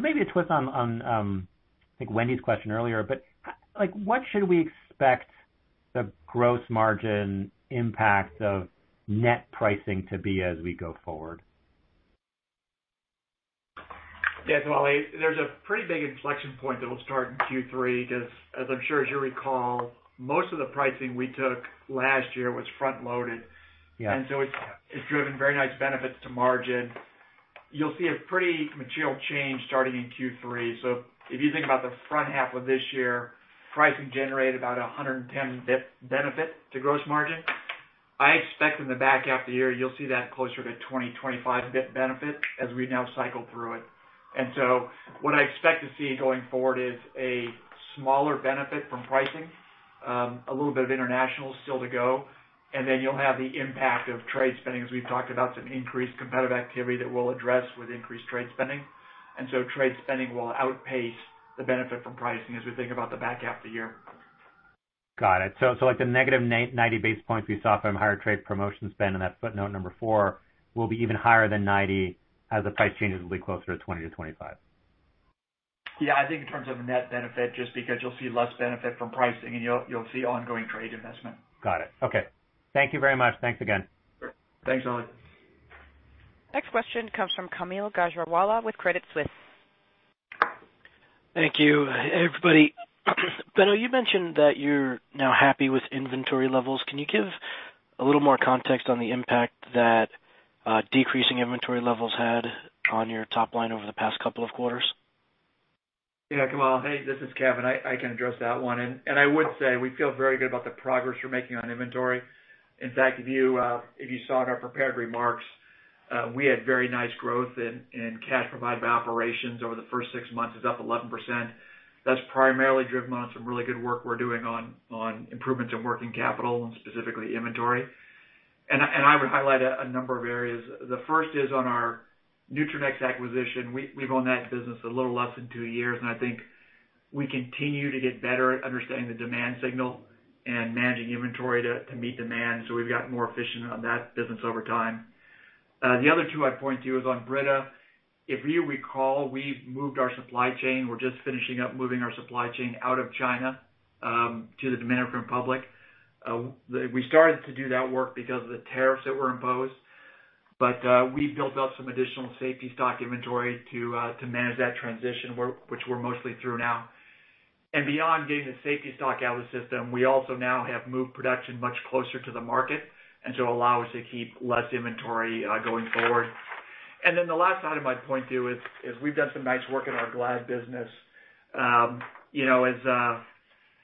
Maybe a twist on, I think, Wendy's question earlier, but what should we expect the gross margin impact of net pricing to be as we go forward? Yeah. There's a pretty big inflection point that will start in Q3 because, as I'm sure as you recall, most of the pricing we took last year was front-loaded. It has driven very nice benefits to margin. You'll see a pretty material change starting in Q3. If you think about the front half of this year, pricing generated about 110 basis point benefit to gross margin. I expect in the back half of the year, you'll see that closer to 20-25 basis point benefit as we now cycle through it. What I expect to see going forward is a smaller benefit from pricing, a little bit of international still to go. You will have the impact of trade spending as we've talked about, some increased competitive activity that we'll address with increased trade spending. Trade spending will outpace the benefit from pricing as we think about the back half of the year. Got it. The negative 90 basis points we saw from higher trade promotion spend in that footnote number four will be even higher than 90 as the price changes will be closer to 20-25%? Yeah. I think in terms of net benefit, just because you'll see less benefit from pricing and you'll see ongoing trade investment. Got it. Okay. Thank you very much. Thanks again. Thanks, Ali. Next question comes from Kaumil Gajrawala with Credit Suisse. Thank you, everybody. Benno, you mentioned that you're now happy with inventory levels. Can you give a little more context on the impact that decreasing inventory levels had on your top line over the past couple of quarters? Yeah. Hey, this is Kevin. I can address that one. I would say we feel very good about the progress we're making on inventory. In fact, if you saw in our prepared remarks, we had very nice growth in cash provided by operations over the first six months, is up 11%. That's primarily driven on some really good work we're doing on improvements in working capital and specifically inventory. I would highlight a number of areas. The first is on our Nutranext acquisition. We've owned that business a little less than two years. I think we continue to get better at understanding the demand signal and managing inventory to meet demand. We've gotten more efficient on that business over time. The other two I'd point to is on Brita. If you recall, we've moved our supply chain. We're just finishing up moving our supply chain out of China to the Dominican Republic. We started to do that work because of the tariffs that were imposed. We built up some additional safety stock inventory to manage that transition, which we're mostly through now. Beyond getting the safety stock out of the system, we also now have moved production much closer to the market to allow us to keep less inventory going forward. The last item I'd point to is we've done some nice work in our Glad business.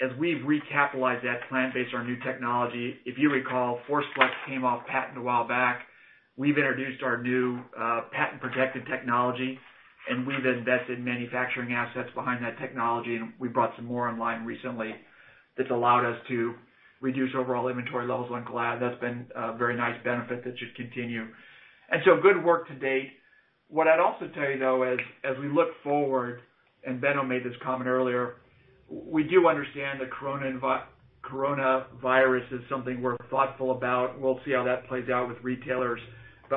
As we've recapitalized that plant based on our new technology, if you recall, ForceFlex came off patent a while back. We've introduced our new patent-protected technology, and we've invested in manufacturing assets behind that technology. We brought some more online recently that's allowed us to reduce overall inventory levels on Glad. That's been a very nice benefit that should continue. Good work to date. What I'd also tell you, though, as we look forward, and Benno made this comment earlier, we do understand the coronavirus is something we're thoughtful about. We'll see how that plays out with retailers.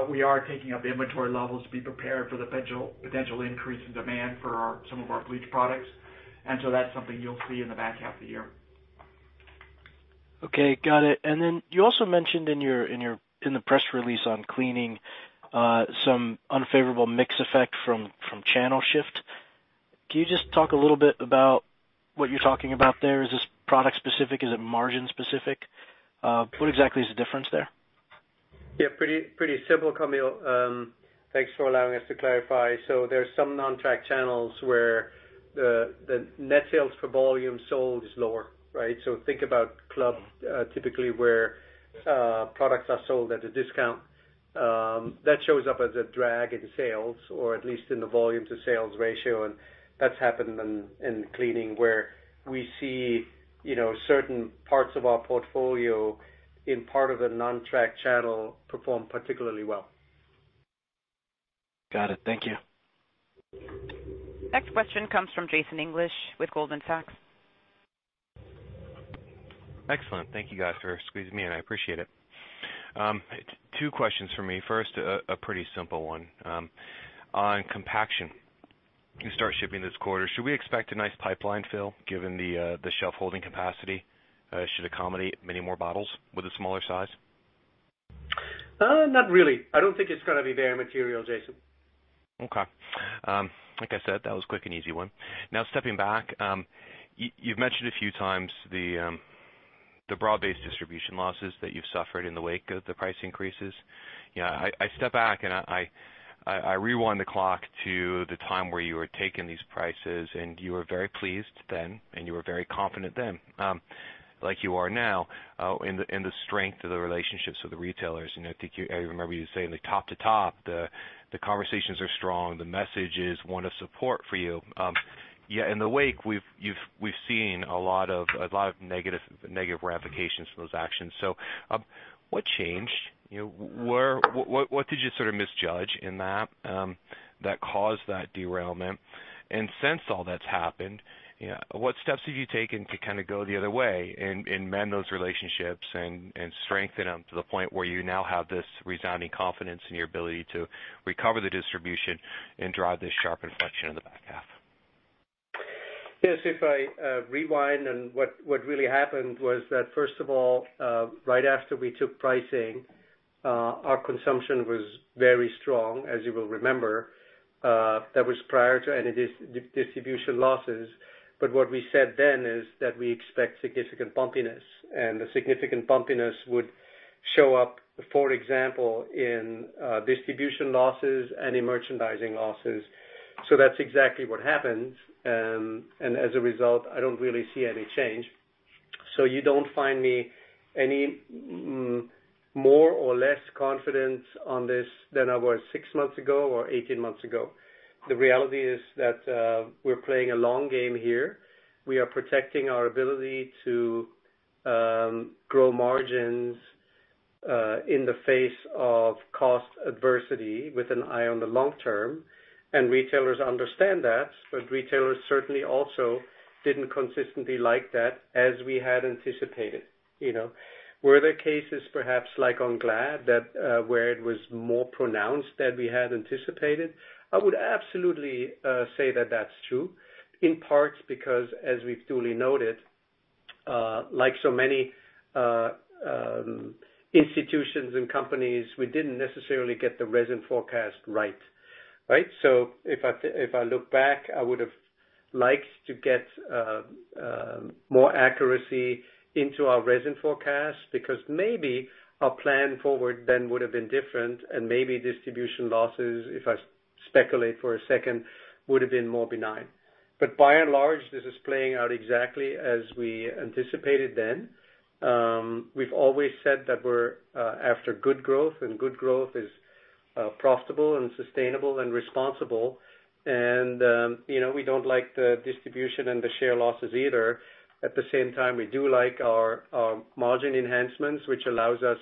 We are taking up inventory levels to be prepared for the potential increase in demand for some of our bleach products. That's something you'll see in the back half of the year. Okay. Got it. You also mentioned in the press release on cleaning some unfavorable mix effect from channel shift. Can you just talk a little bit about what you're talking about there? Is this product-specific? Is it margin-specific? What exactly is the difference there? Yeah. Pretty simple, Kaumil. Thanks for allowing us to clarify. There are some non-track channels where the net sales per volume sold is lower, right? Think about club typically where products are sold at a discount. That shows up as a drag in sales, or at least in the volume-to-sales ratio. That has happened in cleaning where we see certain parts of our portfolio in part of the non-track channel perform particularly well. Got it. Thank you. Next question comes from Jason English with Goldman Sachs. Excellent. Thank you, guys, for squeezing me in. I appreciate it. Two questions for me. First, a pretty simple one. On compaction, you start shipping this quarter. Should we expect a nice pipeline fill given the shelf-holding capacity? Should it accommodate many more bottles with a smaller size? Not really. I don't think it's going to be very material, Jason. Okay. Like I said, that was a quick and easy one. Now, stepping back, you've mentioned a few times the broad-based distribution losses that you've suffered in the wake of the price increases. Yeah. I step back and I rewind the clock to the time where you were taking these prices, and you were very pleased then, and you were very confident then, like you are now, in the strength of the relationships with the retailers. I think I remember you saying the top to top, the conversations are strong, the message is one of support for you. Yeah. In the wake, we've seen a lot of negative ramifications from those actions. What changed? What did you sort of misjudge in that that caused that derailment? Since all that's happened, what steps have you taken to kind of go the other way and mend those relationships and strengthen them to the point where you now have this resounding confidence in your ability to recover the distribution and drive this sharp inflection in the back half? Yes. If I rewind, and what really happened was that, first of all, right after we took pricing, our consumption was very strong, as you will remember. That was prior to any distribution losses. What we said then is that we expect significant bumpiness. The significant bumpiness would show up, for example, in distribution losses and in merchandising losses. That is exactly what happened. As a result, I do not really see any change. You do not find me any more or less confident on this than I was six months ago or 18 months ago. The reality is that we are playing a long game here. We are protecting our ability to grow margins in the face of cost adversity with an eye on the long term. Retailers understand that. Retailers certainly also did not consistently like that as we had anticipated. Were there cases, perhaps like on Glad, where it was more pronounced than we had anticipated? I would absolutely say that that's true, in part because, as we've duly noted, like so many institutions and companies, we didn't necessarily get the resin forecast right. Right? If I look back, I would have liked to get more accuracy into our resin forecast because maybe our plan forward then would have been different. Maybe distribution losses, if I speculate for a second, would have been more benign. By and large, this is playing out exactly as we anticipated then. We've always said that we're after good growth, and good growth is profitable and sustainable and responsible. We don't like the distribution and the share losses either. At the same time, we do like our margin enhancements, which allows us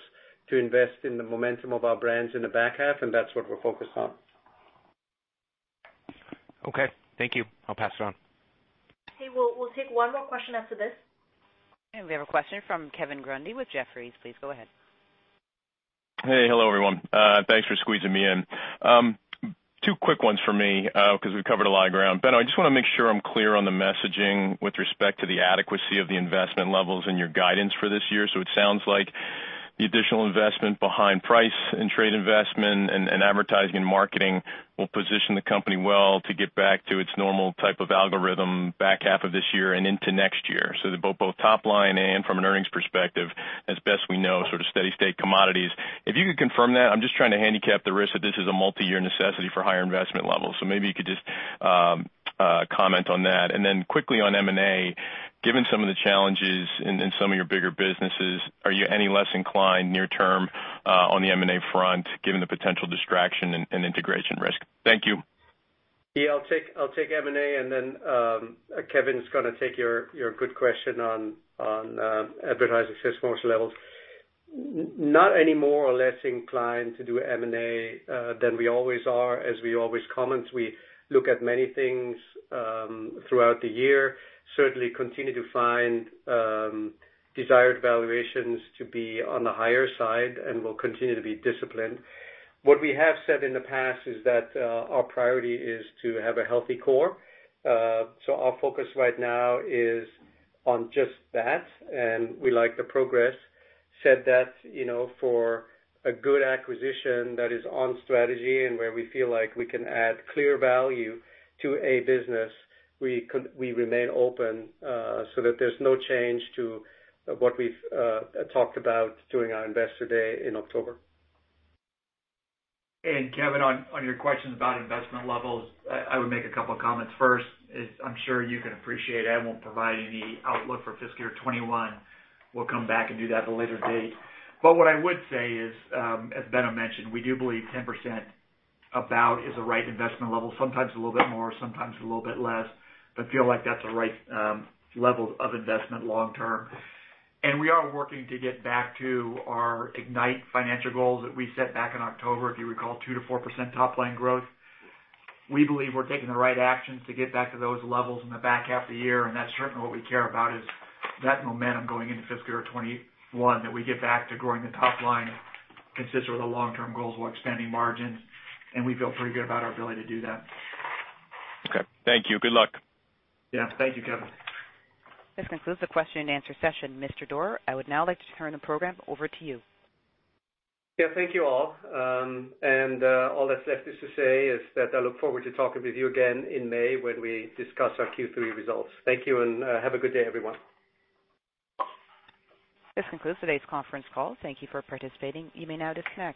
to invest in the momentum of our brands in the back half. That is what we're focused on. Okay. Thank you. I'll pass it on. Hey, we'll take one more question after this. We have a question from Kevin Grundy with Jefferies. Please go ahead. Hey. Hello, everyone. Thanks for squeezing me in. Two quick ones for me because we've covered a lot of ground. Benno, I just want to make sure I'm clear on the messaging with respect to the adequacy of the investment levels and your guidance for this year. It sounds like the additional investment behind price and trade investment and advertising and marketing will position the company well to get back to its normal type of algorithm back half of this year and into next year. Both top line and from an earnings perspective, as best we know, sort of steady state commodities. If you could confirm that, I'm just trying to handicap the risk that this is a multi-year necessity for higher investment levels. Maybe you could just comment on that. Quickly on M&A, given some of the challenges in some of your bigger businesses, are you any less inclined near-term on the M&A front given the potential distraction and integration risk? Thank you. Yeah. I'll take M&A. Then Kevin's going to take your good question on advertising sales promotion levels. Not any more or less inclined to do M&A than we always are, as we always comment. We look at many things throughout the year. Certainly continue to find desired valuations to be on the higher side, and we'll continue to be disciplined. What we have said in the past is that our priority is to have a healthy core. Our focus right now is on just that. We like the progress. Said that for a good acquisition that is on strategy and where we feel like we can add clear value to a business, we remain open so that there's no change to what we've talked about during our investor day in October. Kevin, on your questions about investment levels, I would make a couple of comments. First, I'm sure you can appreciate I won't provide any outlook for fiscal year 2021. We'll come back and do that at a later date. What I would say is, as Benno mentioned, we do believe 10% about is a right investment level. Sometimes a little bit more, sometimes a little bit less, but feel like that's a right level of investment long-term. We are working to get back to our Ignite financial goals that we set back in October. If you recall, 2-4% top line growth. We believe we're taking the right actions to get back to those levels in the back half of the year. That is certainly what we care about, that momentum going into fiscal year 2021, that we get back to growing the top line consistent with our long-term goals while expanding margins. We feel pretty good about our ability to do that. Okay. Thank you. Good luck. Yeah. Thank you, Kevin. This concludes the question and answer session. Mr. Döring, I would now like to turn the program over to you. Thank you all. All that's left to say is that I look forward to talking with you again in May when we discuss our Q3 results. Thank you and have a good day, everyone. This concludes today's conference call. Thank you for participating. You may now disconnect.